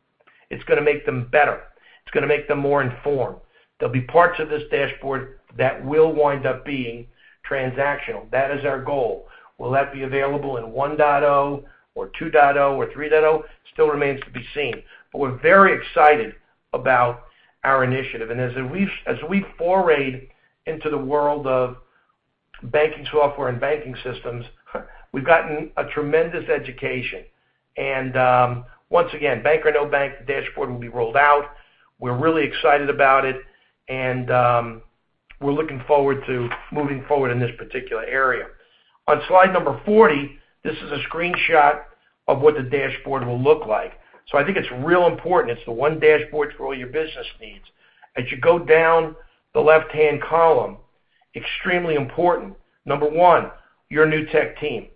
It's gonna make them better. It's gonna make them more informed. There'll be parts of this dashboard that will wind up being transactional. That is our goal. Will that be available in 1.0 or 2.0 or 3.0? Still remains to be seen. We're very excited about our initiative. As we foray into the world of banking software and banking systems, we've gotten a tremendous education. Once again, bank or no bank, the dashboard will be rolled out. We're really excited about it, and we're looking forward to moving forward in this particular area. On slide number 40, this is a screenshot of what the dashboard will look like. I think it's real important. It's the one dashboard for all your business needs. As you go down the left-hand column, extremely important. Number one, your Newtek team.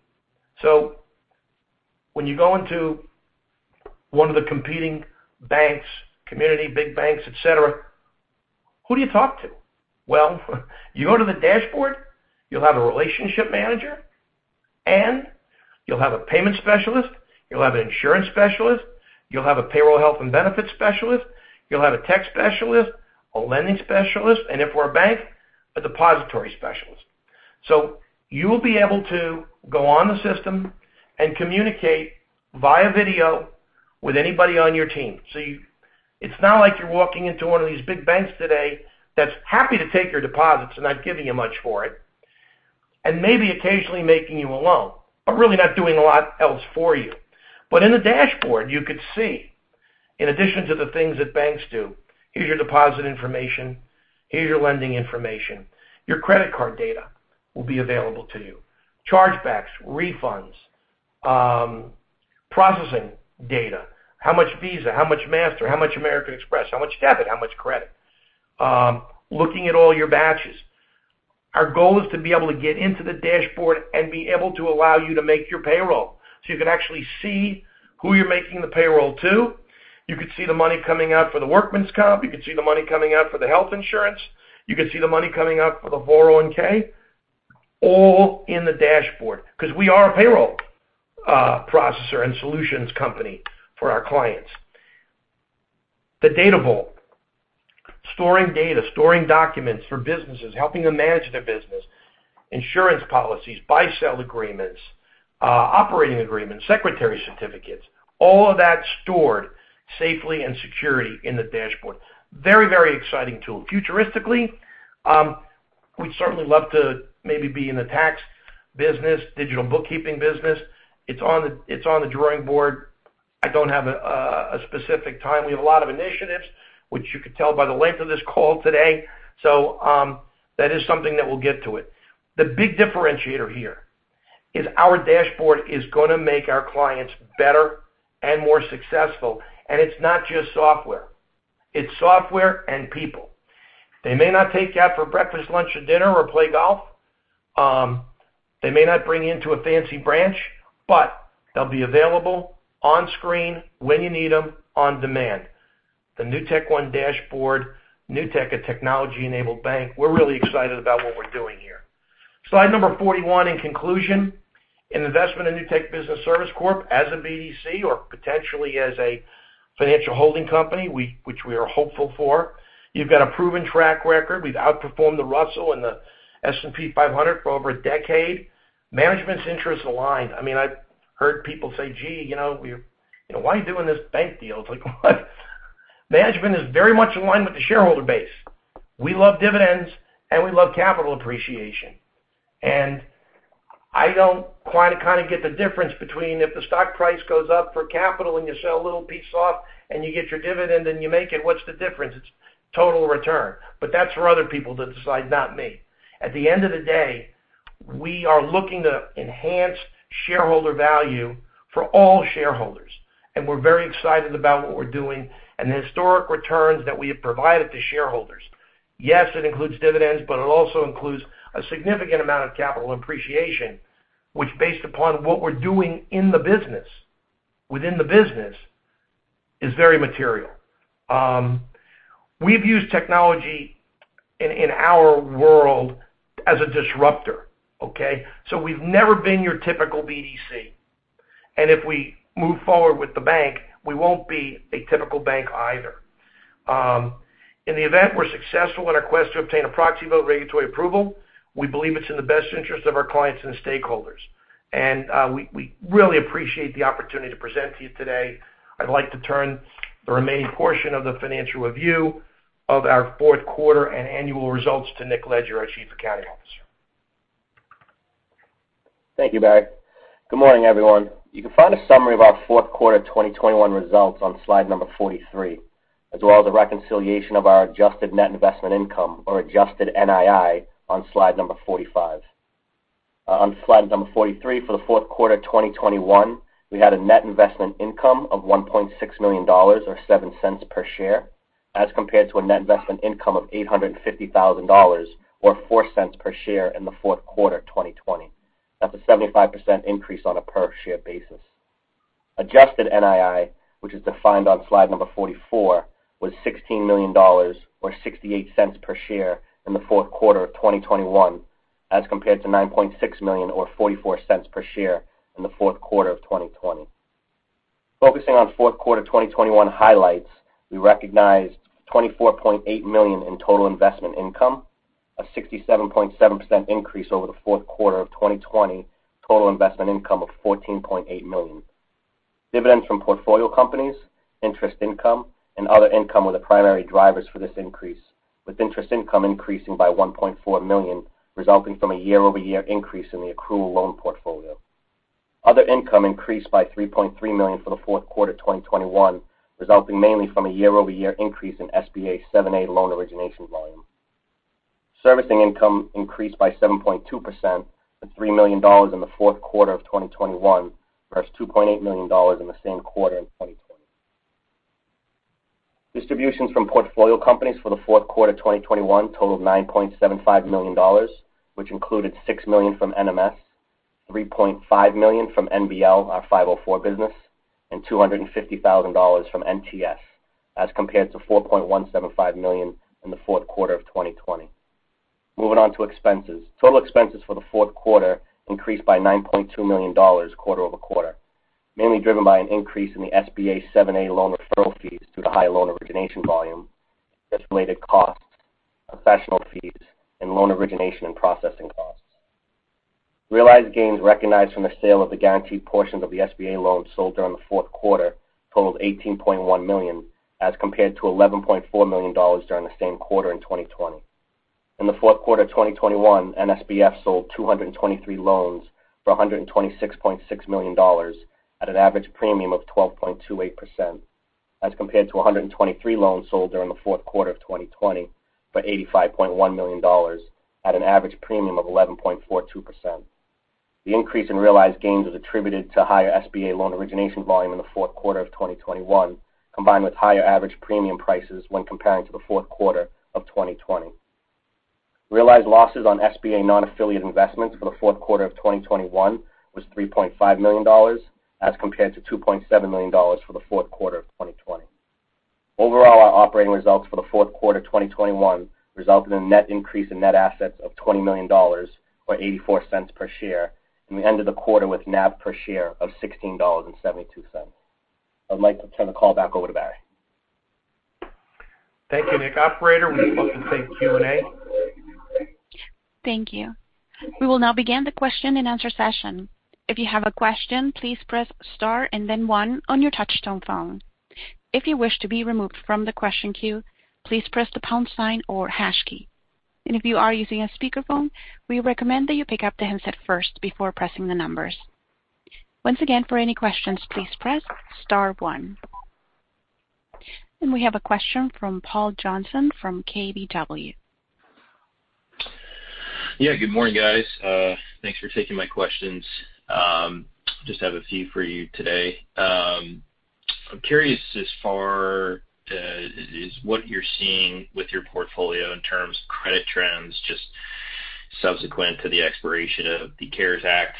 When you go into one of the competing banks, community, big banks, et cetera, who do you talk to? Well, you go to the dashboard, you'll have a relationship manager, and you'll have a payment specialist, you'll have an insurance specialist, you'll have a payroll health and benefits specialist, you'll have a tech specialist, a lending specialist, and if we're a bank, a depository specialist. You'll be able to go on the system and communicate via video with anybody on your team. It's not like you're walking into one of these big banks today that's happy to take your deposits, they're not giving you much for it, and maybe occasionally making you a loan, but really not doing a lot else for you. In the dashboard, you could see, in addition to the things that banks do, here's your deposit information, here's your lending information. Your credit card data will be available to you. Chargebacks, refunds, processing data, how much Visa, how much Mastercard, how much American Express, how much debit, how much credit, looking at all your batches. Our goal is to be able to get into the dashboard and be able to allow you to make your payroll. You can actually see who you're making the payroll to. You could see the money coming out for the workman's comp. You could see the money coming out for the health insurance. You could see the money coming out for the 401(k), all in the dashboard because we are a payroll processor and solutions company for our clients. The data vault, storing data, storing documents for businesses, helping them manage their business, insurance policies, buy/sell agreements, operating agreements, secretary certificates, all of that stored safely and securely in the dashboard. Very, very exciting tool. Futuristically, we'd certainly love to maybe be in the tax business, digital bookkeeping business. It's on the drawing board. I don't have a specific time. We have a lot of initiatives, which you could tell by the length of this call today. That is something that we'll get to it. The big differentiator here is our dashboard is gonna make our clients better and more successful. It's not just software. It's software and people. They may not take you out for breakfast, lunch, or dinner, or play golf. They may not bring you into a fancy branch, but they'll be available on screen when you need them on demand. The NewtekOne dashboard, NewtekOne, a technology-enabled bank. We're really excited about what we're doing here. Slide number 41. In conclusion, an investment in Newtek Business Services Corp as a BDC or potentially as a financial holding company, which we are hopeful for. You've got a proven track record. We've outperformed the Russell and the S&P 500 for over a decade. Management's interests aligned. I mean, I've heard people say, "Gee, you know, we're, you know, why are you doing this bank deal?" It's like, what? Management is very much in line with the shareholder base. We love dividends, and we love capital appreciation. I don't try to get the difference between if the stock price goes up for capital and you sell a little piece off and you get your dividend and you make it, what's the difference? It's total return. That's for other people to decide, not me. At the end of the day, we are looking to enhance shareholder value for all shareholders, and we're very excited about what we're doing and the historic returns that we have provided to shareholders. Yes, it includes dividends, but it also includes a significant amount of capital appreciation, which based upon what we're doing in the business, within the business, is very material. We've used technology in our world as a disruptor, okay? We've never been your typical BDC. If we move forward with the bank, we won't be a typical bank either. In the event we're successful in our quest to obtain a proxy vote regulatory approval, we believe it's in the best interest of our clients and stakeholders. We really appreciate the opportunity to present to you today. I'd like to turn the remaining portion of the financial review of our fourth quarter and annual results to Nick Leger, our Chief Accounting Officer. Thank you, Barry. Good morning, everyone. You can find a summary of our fourth quarter 2021 results on slide 43, as well as a reconciliation of our adjusted net investment income or adjusted NII on slide 45. On slide 43, for the fourth quarter of 2021, we had a net investment income of $1.6 million or $0.07 per share, as compared to a net investment income of $850,000 or $0.04 per share in the fourth quarter of 2020. That's a 75% increase on a per-share basis. Adjusted NII, which is defined on slide 44, was $16 million or $0.68 per share in the fourth quarter of 2021, as compared to $9.6 million or $0.44 per share in the fourth quarter of 2020. Focusing on fourth quarter 2021 highlights, we recognized $24.8 million in total investment income, a 67.7% increase over the fourth quarter of 2020 total investment income of $14.8 million. Dividends from portfolio companies, interest income, and other income were the primary drivers for this increase, with interest income increasing by $1.4 million, resulting from a year-over-year increase in the accrual loan portfolio. Other income increased by $3.3 million for the fourth quarter 2021, resulting mainly from a year-over-year increase in SBA 7(a) loan origination volume. Servicing income increased by 7.2% to $3 million in the fourth quarter of 2021 versus $2.8 million in the same quarter in 2020. Distributions from portfolio companies for the fourth quarter 2021 totaled $9.75 million, which included $6 million from NMS, $3.5 million from NBL, our 504 business, and $250,000 from NTS, as compared to $4.175 million in the fourth quarter of 2020. Total expenses for the fourth quarter increased by $9.2 million quarter-over-quarter, mainly driven by an increase in the SBA 7(a) loan referral fees due to high loan origination volume, estimated costs, professional fees, and loan origination and processing costs. Realized gains recognized from the sale of the guaranteed portions of the SBA loans sold during the fourth quarter totaled $18.1 million, as compared to $11.4 million during the same quarter in 2020. In the fourth quarter of 2021, NSBF sold 223 loans for $126.6 million at an average premium of 12.28%, as compared to 123 loans sold during the fourth quarter of 2020 for $85.1 million at an average premium of 11.42%. The increase in realized gains was attributed to higher SBA loan origination volume in the fourth quarter of 2021, combined with higher average premium prices when comparing to the fourth quarter of 2020. Realized losses on SBA non-affiliate investments for the fourth quarter of 2021 was $3.5 million, as compared to $2.7 million for the fourth quarter of 2020. Overall, our operating results for the fourth quarter 2021 resulted in a net increase in net assets of $20 million, or $0.84 per share, and we ended the quarter with NAV per share of $16.72. I'd like to turn the call back over to Barry. Thank you, Nick. Operator, we will now commence the Q&A. Thank you. We will now begin the question-and-answer session. If you have a question, please press star and then one on your touchtone phone. If you wish to be removed from the question queue, please press the pound sign or hash key. If you are using a speakerphone, we recommend that you pick up the handset first before pressing the numbers. Once again, for any questions, please press star one. We have a question from Paul Johnson from KBW. Yeah. Good morning, guys. Thanks for taking my questions. Just have a few for you today. I'm curious as far as what you're seeing with your portfolio in terms of credit trends, just subsequent to the expiration of the CARES Act,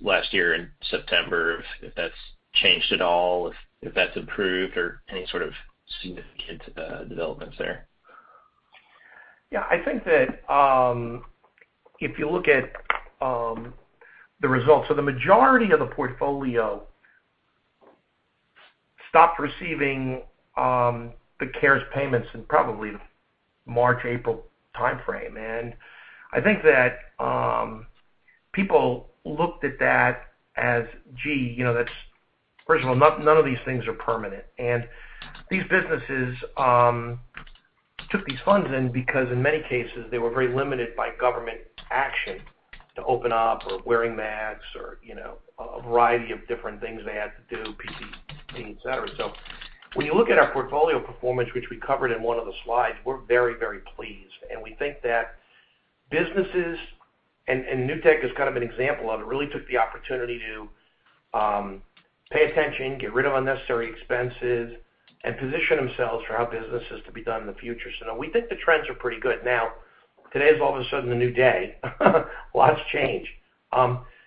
last year in September, if that's changed at all, if that's improved or any sort of significant developments there. Yeah. I think that, if you look at the results. The majority of the portfolio stopped receiving the CARES payments in probably the March, April timeframe. I think that people looked at that as, gee, you know, that's. First of all, none of these things are permanent. These businesses took these funds in because in many cases, they were very limited by government action to open up or wearing masks or, you know, a variety of different things they had to do, PPE, et cetera. When you look at our portfolio performance, which we covered in one of the slides, we're very, very pleased. We think that businesses, and Newtek is kind of an example of it, really took the opportunity to pay attention, get rid of unnecessary expenses, and position themselves for how business is to be done in the future. We think the trends are pretty good. Now, today is all of a sudden a new day. Lots changed.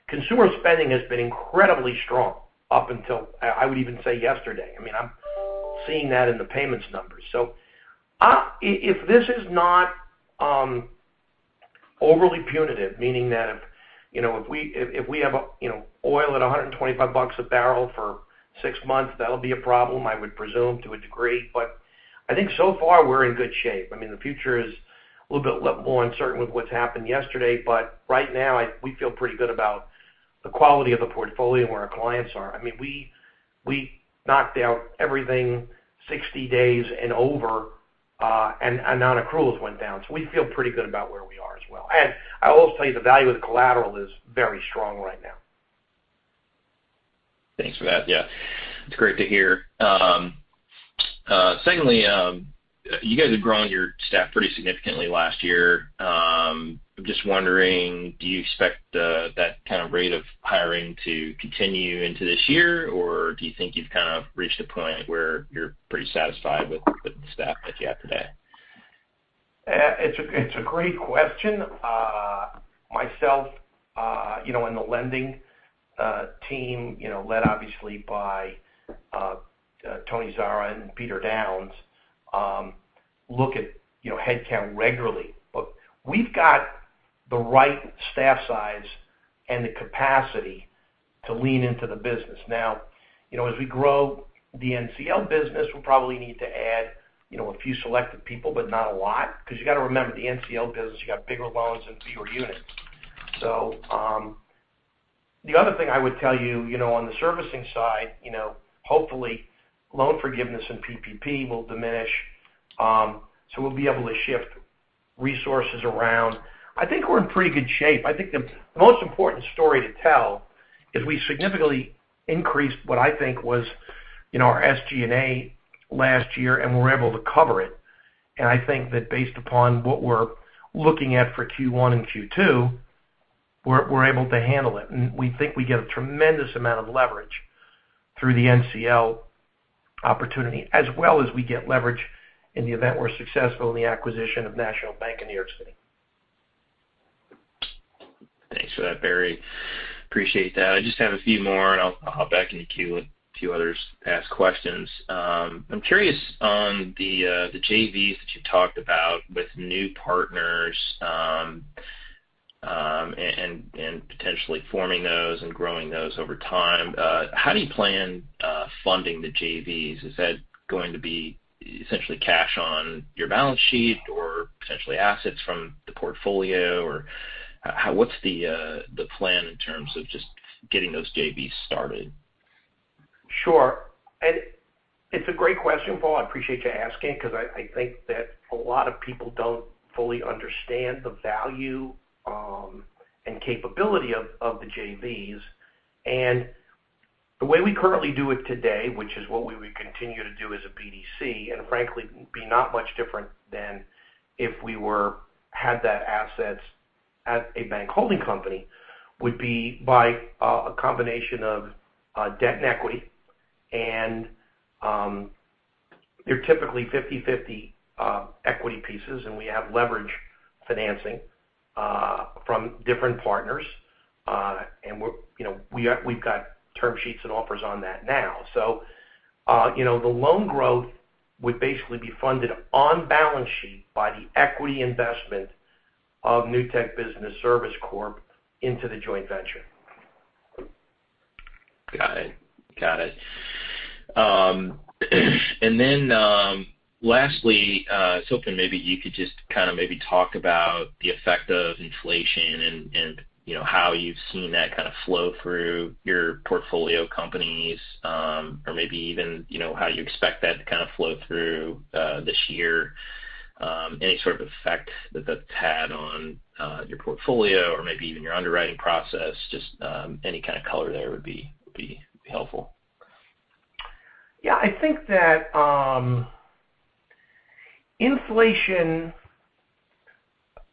Consumer spending has been incredibly strong up until, I would even say yesterday. I mean, I'm seeing that in the payments numbers. If this is not overly punitive, meaning that if, you know, if we have a, you know, oil at $125 a barrel for six months, that'll be a problem, I would presume, to a degree. But I think so far, we're in good shape. I mean, the future is a little bit more uncertain with what's happened yesterday. Right now, we feel pretty good about the quality of the portfolio and where our clients are. I mean, we knocked out everything 60 days and over, and non-accruals went down. We feel pretty good about where we are as well. I will also tell you the value of the collateral is very strong right now. Thanks for that. Yeah, it's great to hear. Secondly, you guys have grown your staff pretty significantly last year. I'm just wondering, do you expect that kind of rate of hiring to continue into this year? Or do you think you've kind of reached a point where you're pretty satisfied with the staff that you have today? It's a great question. Myself, you know, in the lending team, you know, led obviously by Tony Zara and Peter Downs, look at, you know, headcount regularly. We've got the right staff size and the capacity to lean into the business. Now, you know, as we grow the NCL business, we'll probably need to add, you know, a few selected people, but not a lot. 'Cause you gotta remember, the NCL business, you got bigger loans and fewer units. The other thing I would tell you know, on the servicing side, you know, hopefully loan forgiveness and PPP will diminish, so we'll be able to shift resources around. I think we're in pretty good shape. I think the most important story to tell is we significantly increased what I think was, you know, our SG&A last year, and we were able to cover it. I think that based upon what we're looking at for Q1 and Q2, we're able to handle it. We think we get a tremendous amount of leverage through the NCL opportunity, as well as we get leverage in the event we're successful in the acquisition of National Bank of New York City. Thanks for that, Barry. Appreciate that. I just have a few more, and I'll hop back in the queue. Let a few others ask questions. I'm curious on the JVs that you talked about with new partners, and potentially forming those and growing those over time. How do you plan funding the JVs? Is that going to be essentially cash on your balance sheet or potentially assets from the portfolio? Or what's the plan in terms of just getting those JVs started? Sure. It's a great question, Paul. I appreciate you asking, 'cause I think that a lot of people don't fully understand the value and capability of the JVs. The way we currently do it today, which is what we would continue to do as a BDC, and frankly, be not much different than if we had that assets at a bank holding company, would be by a combination of debt and equity. They're typically 50/50 equity pieces, and we have leverage financing from different partners. You know, we've got term sheets and offers on that now. You know, the loan growth would basically be funded on balance sheet by the equity investment of Newtek Business Services Corp. into the joint venture. Got it. Lastly, I was hoping maybe you could just kind of maybe talk about the effect of inflation and, you know, how you've seen that kind of flow through your portfolio companies, or maybe even, you know, how you expect that to kind of flow through, this year. Any sort of effect that that's had on, your portfolio or maybe even your underwriting process, just, any kind of color there would be helpful. Yeah. I think that inflation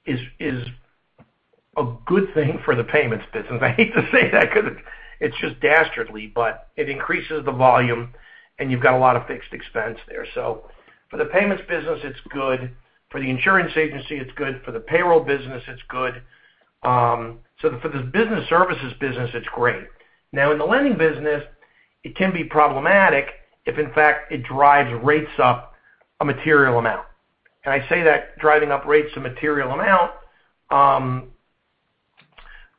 is a good thing for the payments business. I hate to say that 'cause it's just dastardly, but it increases the volume, and you've got a lot of fixed expense there. For the payments business, it's good. For the insurance agency, it's good. For the payroll business, it's good. For the business services business, it's great. Now, in the lending business, it can be problematic if in fact it drives rates up a material amount. I say that driving up rates a material amount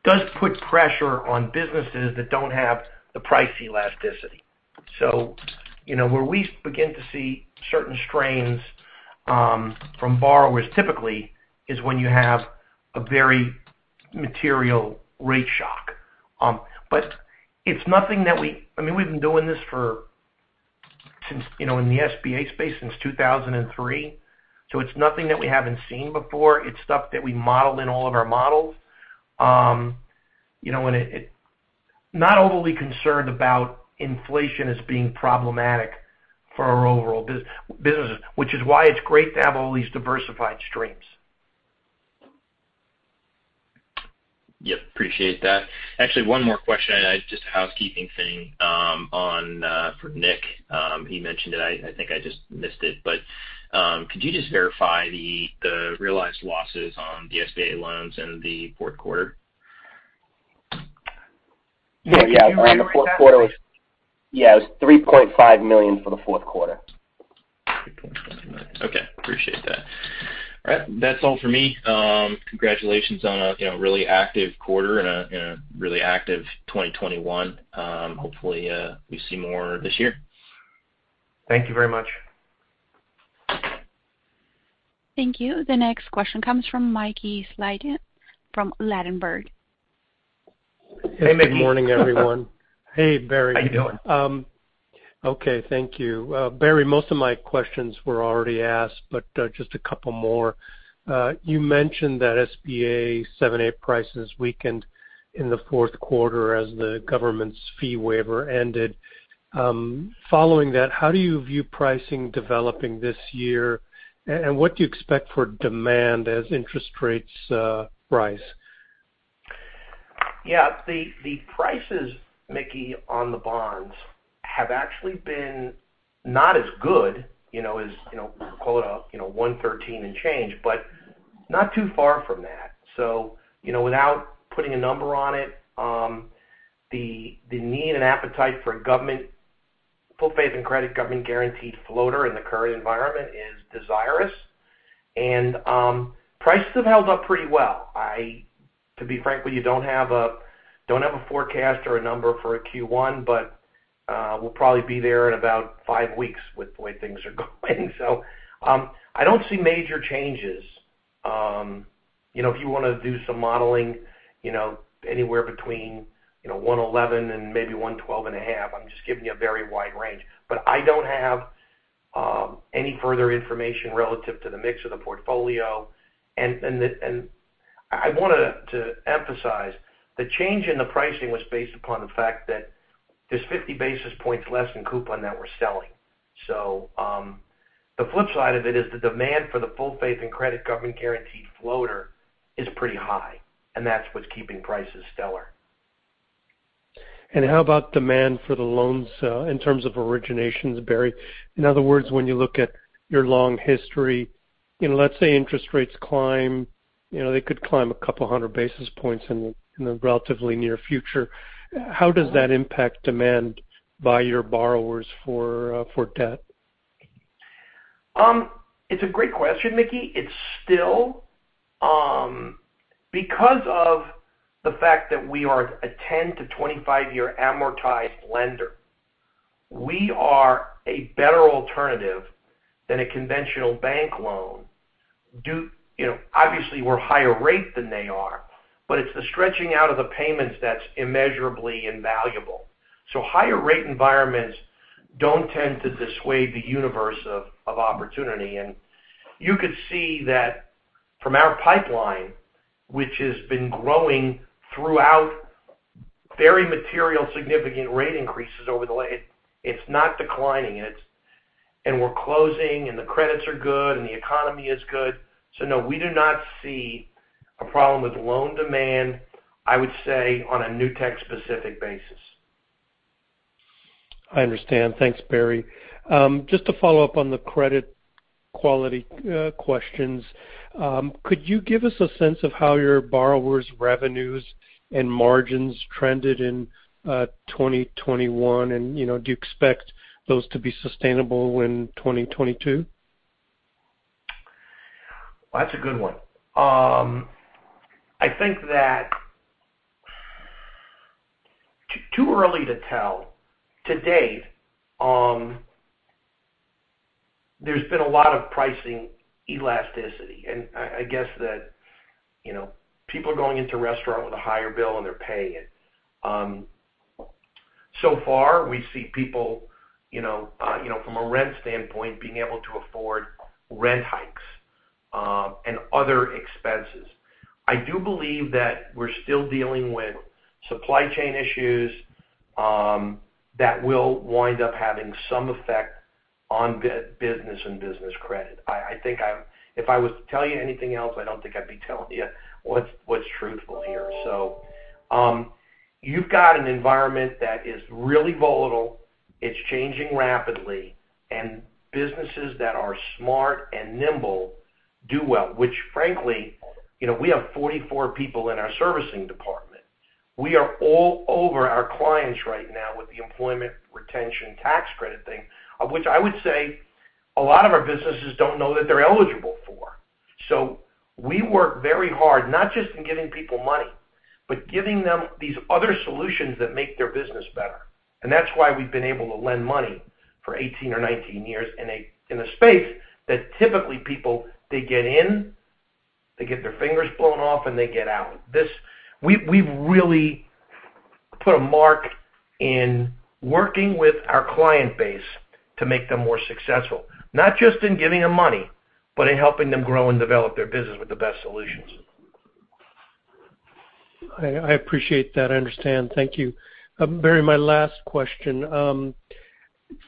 does put pressure on businesses that don't have the price elasticity. You know, where we begin to see certain strains from borrowers typically is when you have a very material rate shock. It's nothing that, I mean, we've been doing this since, you know, in the SBA space since 2003. It's nothing that we haven't seen before. It's stuff that we model in all of our models. Not overly concerned about inflation as being problematic for our overall business, which is why it's great to have all these diversified streams. Yep. Appreciate that. Actually, one more question, and it's just a housekeeping thing for Nick. He mentioned it. I think I just missed it. Could you just verify the realized losses on the SBA loans in the fourth quarter? Nick, can you rephrase that, please? It was $3.5 million for the fourth quarter. $3.5 million. Okay. Appreciate that. All right. That's all for me. Congratulations on a, you know, really active quarter and a really active 2021. Hopefully, we see more this year. Thank you very much. Thank you. The next question comes from Mickey Schleien from Ladenburg. Hey, Mickey. Good morning, everyone. Hey, Barry. How you doing? Okay. Thank you. Barry, most of my questions were already asked, but just a couple more. You mentioned that SBA 7(a) prices weakened in the fourth quarter as the government's fee waiver ended. Following that, how do you view pricing developing this year? And what do you expect for demand as interest rates rise? Yeah. The prices, Mickey, on the bonds have actually been not as good, you know, as, you know, quote, unquote, you know, 113 and change, but not too far from that. You know, without putting a number on it, the need and appetite for government full faith and credit government guaranteed floater in the current environment is desirous. Prices have held up pretty well. To be frank with you, I don't have a forecast or a number for a Q1, but we'll probably be there in about five weeks with the way things are going. I don't see major changes. You know, if you wanna do some modeling, you know, anywhere between 111 and maybe 112.5. I'm just giving you a very wide range. I don't have any further information relative to the mix of the portfolio. I wanted to emphasize, the change in the pricing was based upon the fact that there's 50 basis points less than coupon that we're selling. The flip side of it is the demand for the full faith and credit government guaranteed floater is pretty high, and that's what's keeping prices stellar. How about demand for the loans in terms of originations, Barry? In other words, when you look at your long history, you know, let's say interest rates climb. You know, they could climb 200 basis points in the relatively near future. How does that impact demand by your borrowers for debt? It's a great question, Mickey. It's still because of the fact that we are a 10- to 25-year amortized lender, we are a better alternative than a conventional bank loan. You know, obviously, we're higher rate than they are, but it's the stretching out of the payments that's immeasurably invaluable. Higher rate environments don't tend to dissuade the universe of opportunity. You could see that from our pipeline, which has been growing throughout very material significant rate increases over the last. It's not declining. We're closing, and the credits are good, and the economy is good. No, we do not see a problem with loan demand, I would say, on a Newtek specific basis. I understand. Thanks, Barry. Just to follow up on the credit quality questions, could you give us a sense of how your borrowers' revenues and margins trended in 2021? You know, do you expect those to be sustainable in 2022? That's a good one. I think that too early to tell. To date, there's been a lot of pricing elasticity. I guess that, you know, people are going into a restaurant with a higher bill, and they're paying it. So far, we see people, you know, you know, from a rent standpoint, being able to afford rent hikes, and other expenses. I do believe that we're still dealing with supply chain issues, that will wind up having some effect on business and business credit. I think if I was to tell you anything else, I don't think I'd be telling you what's truthful here. You've got an environment that is really volatile. It's changing rapidly. Businesses that are smart and nimble do well, which frankly, you know, we have 44 people in our servicing department. We are all over our clients right now with the Employee Retention Tax Credit thing, of which I would say a lot of our businesses don't know that they're eligible for. We work very hard, not just in giving people money, but giving them these other solutions that make their business better. That's why we've been able to lend money for 18 or 19 years in a space that typically people, they get in, they get their fingers blown off, and they get out. We've really put a mark in working with our client base to make them more successful, not just in giving them money, but in helping them grow and develop their business with the best solutions. I appreciate that. I understand. Thank you. Barry, my last question.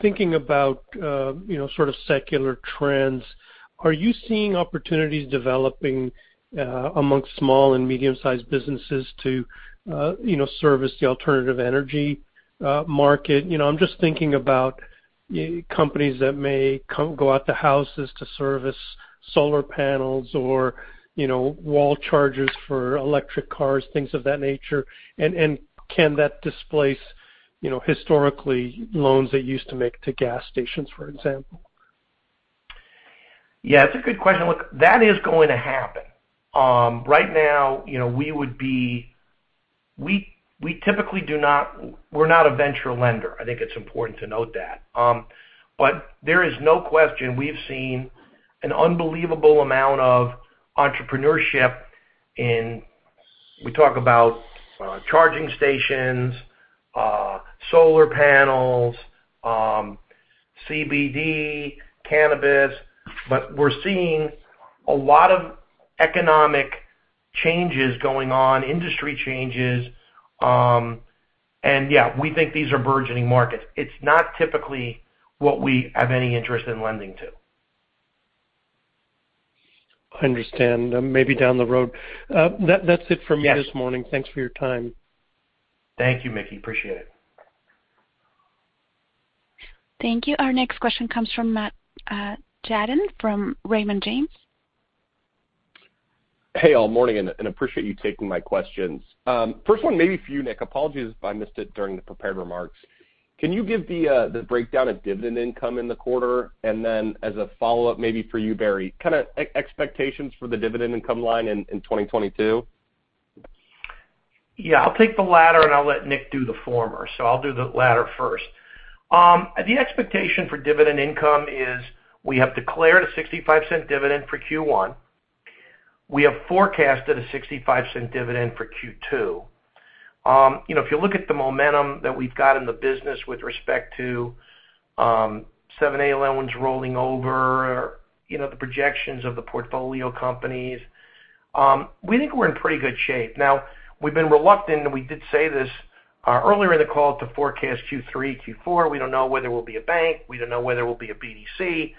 Thinking about, you know, sort of secular trends, are you seeing opportunities developing among small and medium-sized businesses to, you know, service the alternative energy market? You know, I'm just thinking about companies that may go out to houses to service solar panels or, you know, wall chargers for electric cars, things of that nature. Can that displace, you know, historically, loans that you used to make to gas stations, for example? Yeah, it's a good question. Look, that is going to happen. Right now, you know, we typically do not. We're not a venture lender. I think it's important to note that. There is no question we've seen an unbelievable amount of entrepreneurship. We talk about charging stations, solar panels, CBD, cannabis. We're seeing a lot of economic changes going on, industry changes. Yeah, we think these are burgeoning markets. It's not typically what we have any interest in lending to. I understand. Maybe down the road. That's it for me this morning. Yes. Thanks for your time. Thank you, Mickey. Appreciate it. Thank you. Our next question comes from Matt Tjaden from Raymond James. Hey, all. Morning, appreciate you taking my questions. First one maybe for you, Nick. Apologies if I missed it during the prepared remarks. Can you give the breakdown of dividend income in the quarter? Then as a follow-up, maybe for you, Barry, kind of expectations for the dividend income line in 2022? Yeah. I'll take the latter, and I'll let Nick do the former. I'll do the latter first. The expectation for dividend income is we have declared a $0.65 dividend for Q1. We have forecasted a $0.65 dividend for Q2. You know, if you look at the momentum that we've got in the business with respect to 7(a) loans rolling over, you know, the projections of the portfolio companies, we think we're in pretty good shape. Now, we've been reluctant, and we did say this earlier in the call to forecast Q3, Q4. We don't know whether we'll be a bank. We don't know whether we'll be a BDC.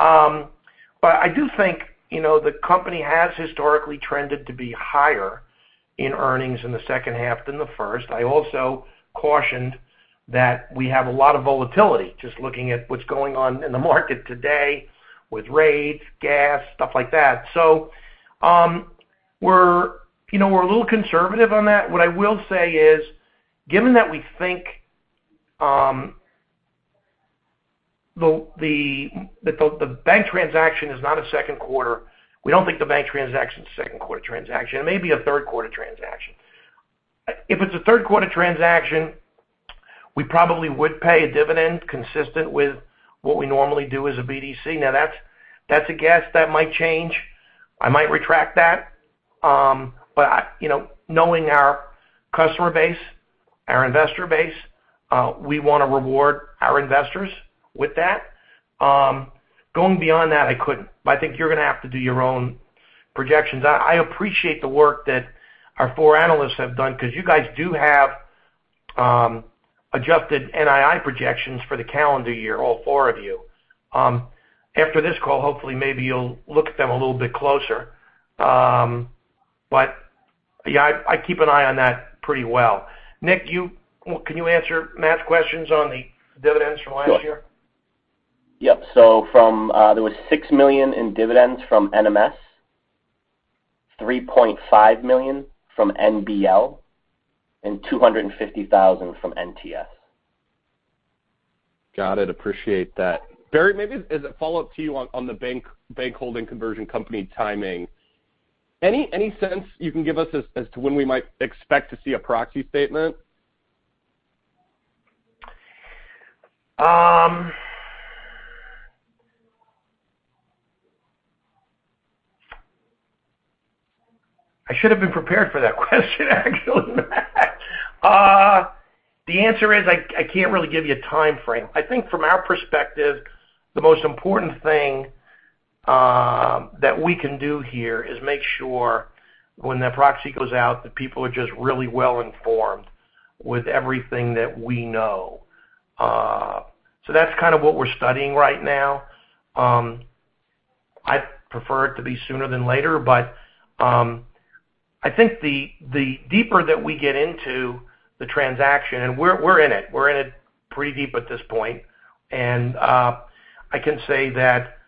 But I do think, you know, the company has historically trended to be higher in earnings in the second half than the first. I also cautioned that we have a lot of volatility just looking at what's going on in the market today with rates, gas, stuff like that. We're, you know, a little conservative on that. What I will say is we don't think the bank transaction is a second quarter transaction. It may be a third quarter transaction. If it's a third quarter transaction, we probably would pay a dividend consistent with what we normally do as a BDC. Now, that's a guess. That might change. I might retract that. I, you know, knowing our customer base, our investor base, we wanna reward our investors with that. Going beyond that, I couldn't. I think you're gonna have to do your own projections. I appreciate the work that our four analysts have done because you guys do have adjusted NII projections for the calendar year, all four of you. After this call, hopefully maybe you'll look at them a little bit closer. Yeah, I keep an eye on that pretty well. Nick, well, can you answer Matt's questions on the dividends from last year? Sure. Yep. There was $6 million in dividends from NMS, $3.5 million from NBL, and $250,000 from NTS. Got it. Appreciate that. Barry, maybe as a follow-up to you on the bank holding company conversion timing, any sense you can give us as to when we might expect to see a proxy statement? I should have been prepared for that question actually. The answer is I can't really give you a timeframe. I think from our perspective, the most important thing that we can do here is make sure when that proxy goes out, that people are just really well informed with everything that we know. So that's kind of what we're studying right now. I'd prefer it to be sooner than later, but I think the deeper that we get into the transaction, we're in it pretty deep at this point. I can say that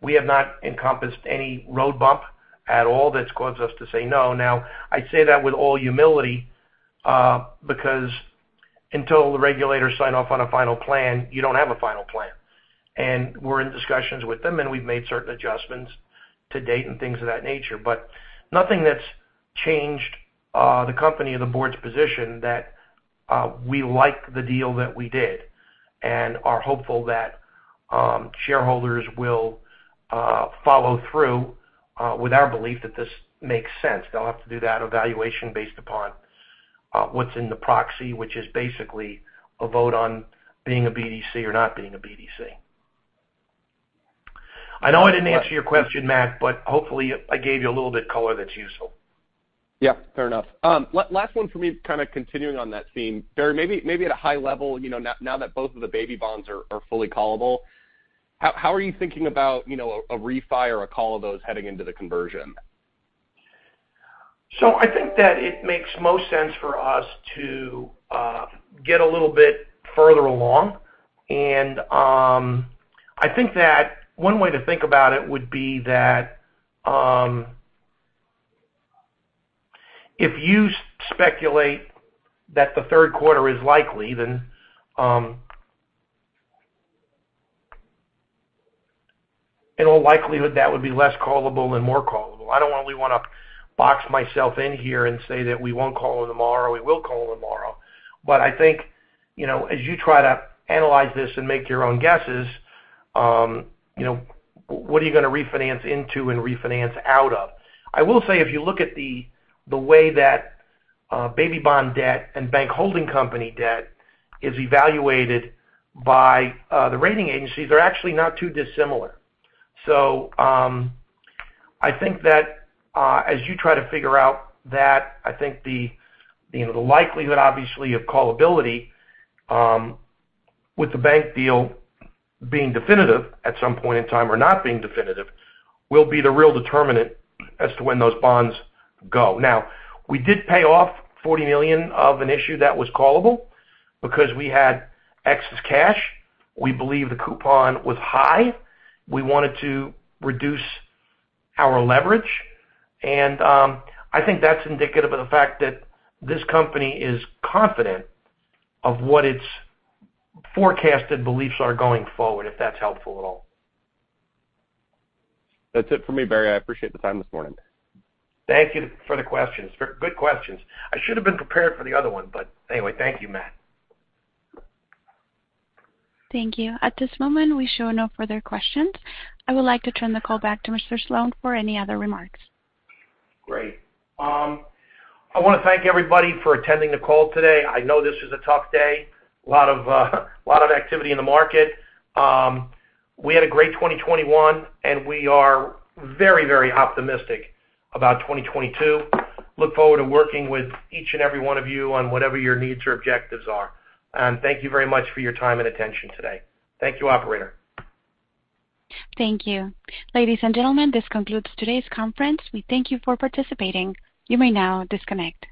we have not encompassed any road bump at all that's caused us to say no. Now, I say that with all humility because until the regulators sign off on a final plan, you don't have a final plan. We're in discussions with them, and we've made certain adjustments to date and things of that nature. Nothing that's changed the company or the board's position that we like the deal that we did and are hopeful that shareholders will follow through with our belief that this makes sense. They'll have to do that evaluation based upon what's in the proxy, which is basically a vote on being a BDC or not being a BDC. I know I didn't answer your question, Matt, but hopefully I gave you a little bit of color that's useful. Yeah. Fair enough. Last one for me kind of continuing on that theme. Barry, maybe at a high level, you know, now that both of the baby bonds are fully callable, how are you thinking about, you know, a refi or a call of those heading into the conversion? I think that it makes most sense for us to get a little bit further along. I think that one way to think about it would be that if you speculate that the third quarter is likely, then in all likelihood, that would be less callable and more callable. I don't really wanna box myself in here and say that we won't call tomorrow or we will call tomorrow, but I think you know, as you try to analyze this and make your own guesses, you know, what are you gonna refinance into and refinance out of? I will say, if you look at the way that baby bond debt and bank holding company debt is evaluated by the rating agencies, they're actually not too dissimilar. I think that, as you try to figure out that, I think the, you know, the likelihood obviously of callability, with the bank deal being definitive at some point in time or not being definitive, will be the real determinant as to when those bonds go. Now, we did pay off $40 million of an issue that was callable because we had excess cash. We believe the coupon was high. We wanted to reduce our leverage. I think that's indicative of the fact that this company is confident of what its forecasted beliefs are going forward, if that's helpful at all. That's it for me, Barry. I appreciate the time this morning. Thank you for the questions. Very good questions. I should have been prepared for the other one, but anyway. Thank you, Matt. Thank you. At this moment, we show no further questions. I would like to turn the call back to Mr. Sloane for any other remarks. Great. I wanna thank everybody for attending the call today. I know this is a tough day. A lot of activity in the market. We had a great 2021, and we are very, very optimistic about 2022. I look forward to working with each and every one of you on whatever your needs or objectives are. Thank you very much for your time and attention today. Thank you, operator. Thank you. Ladies and gentlemen, this concludes today's conference. We thank you for participating. You may now disconnect.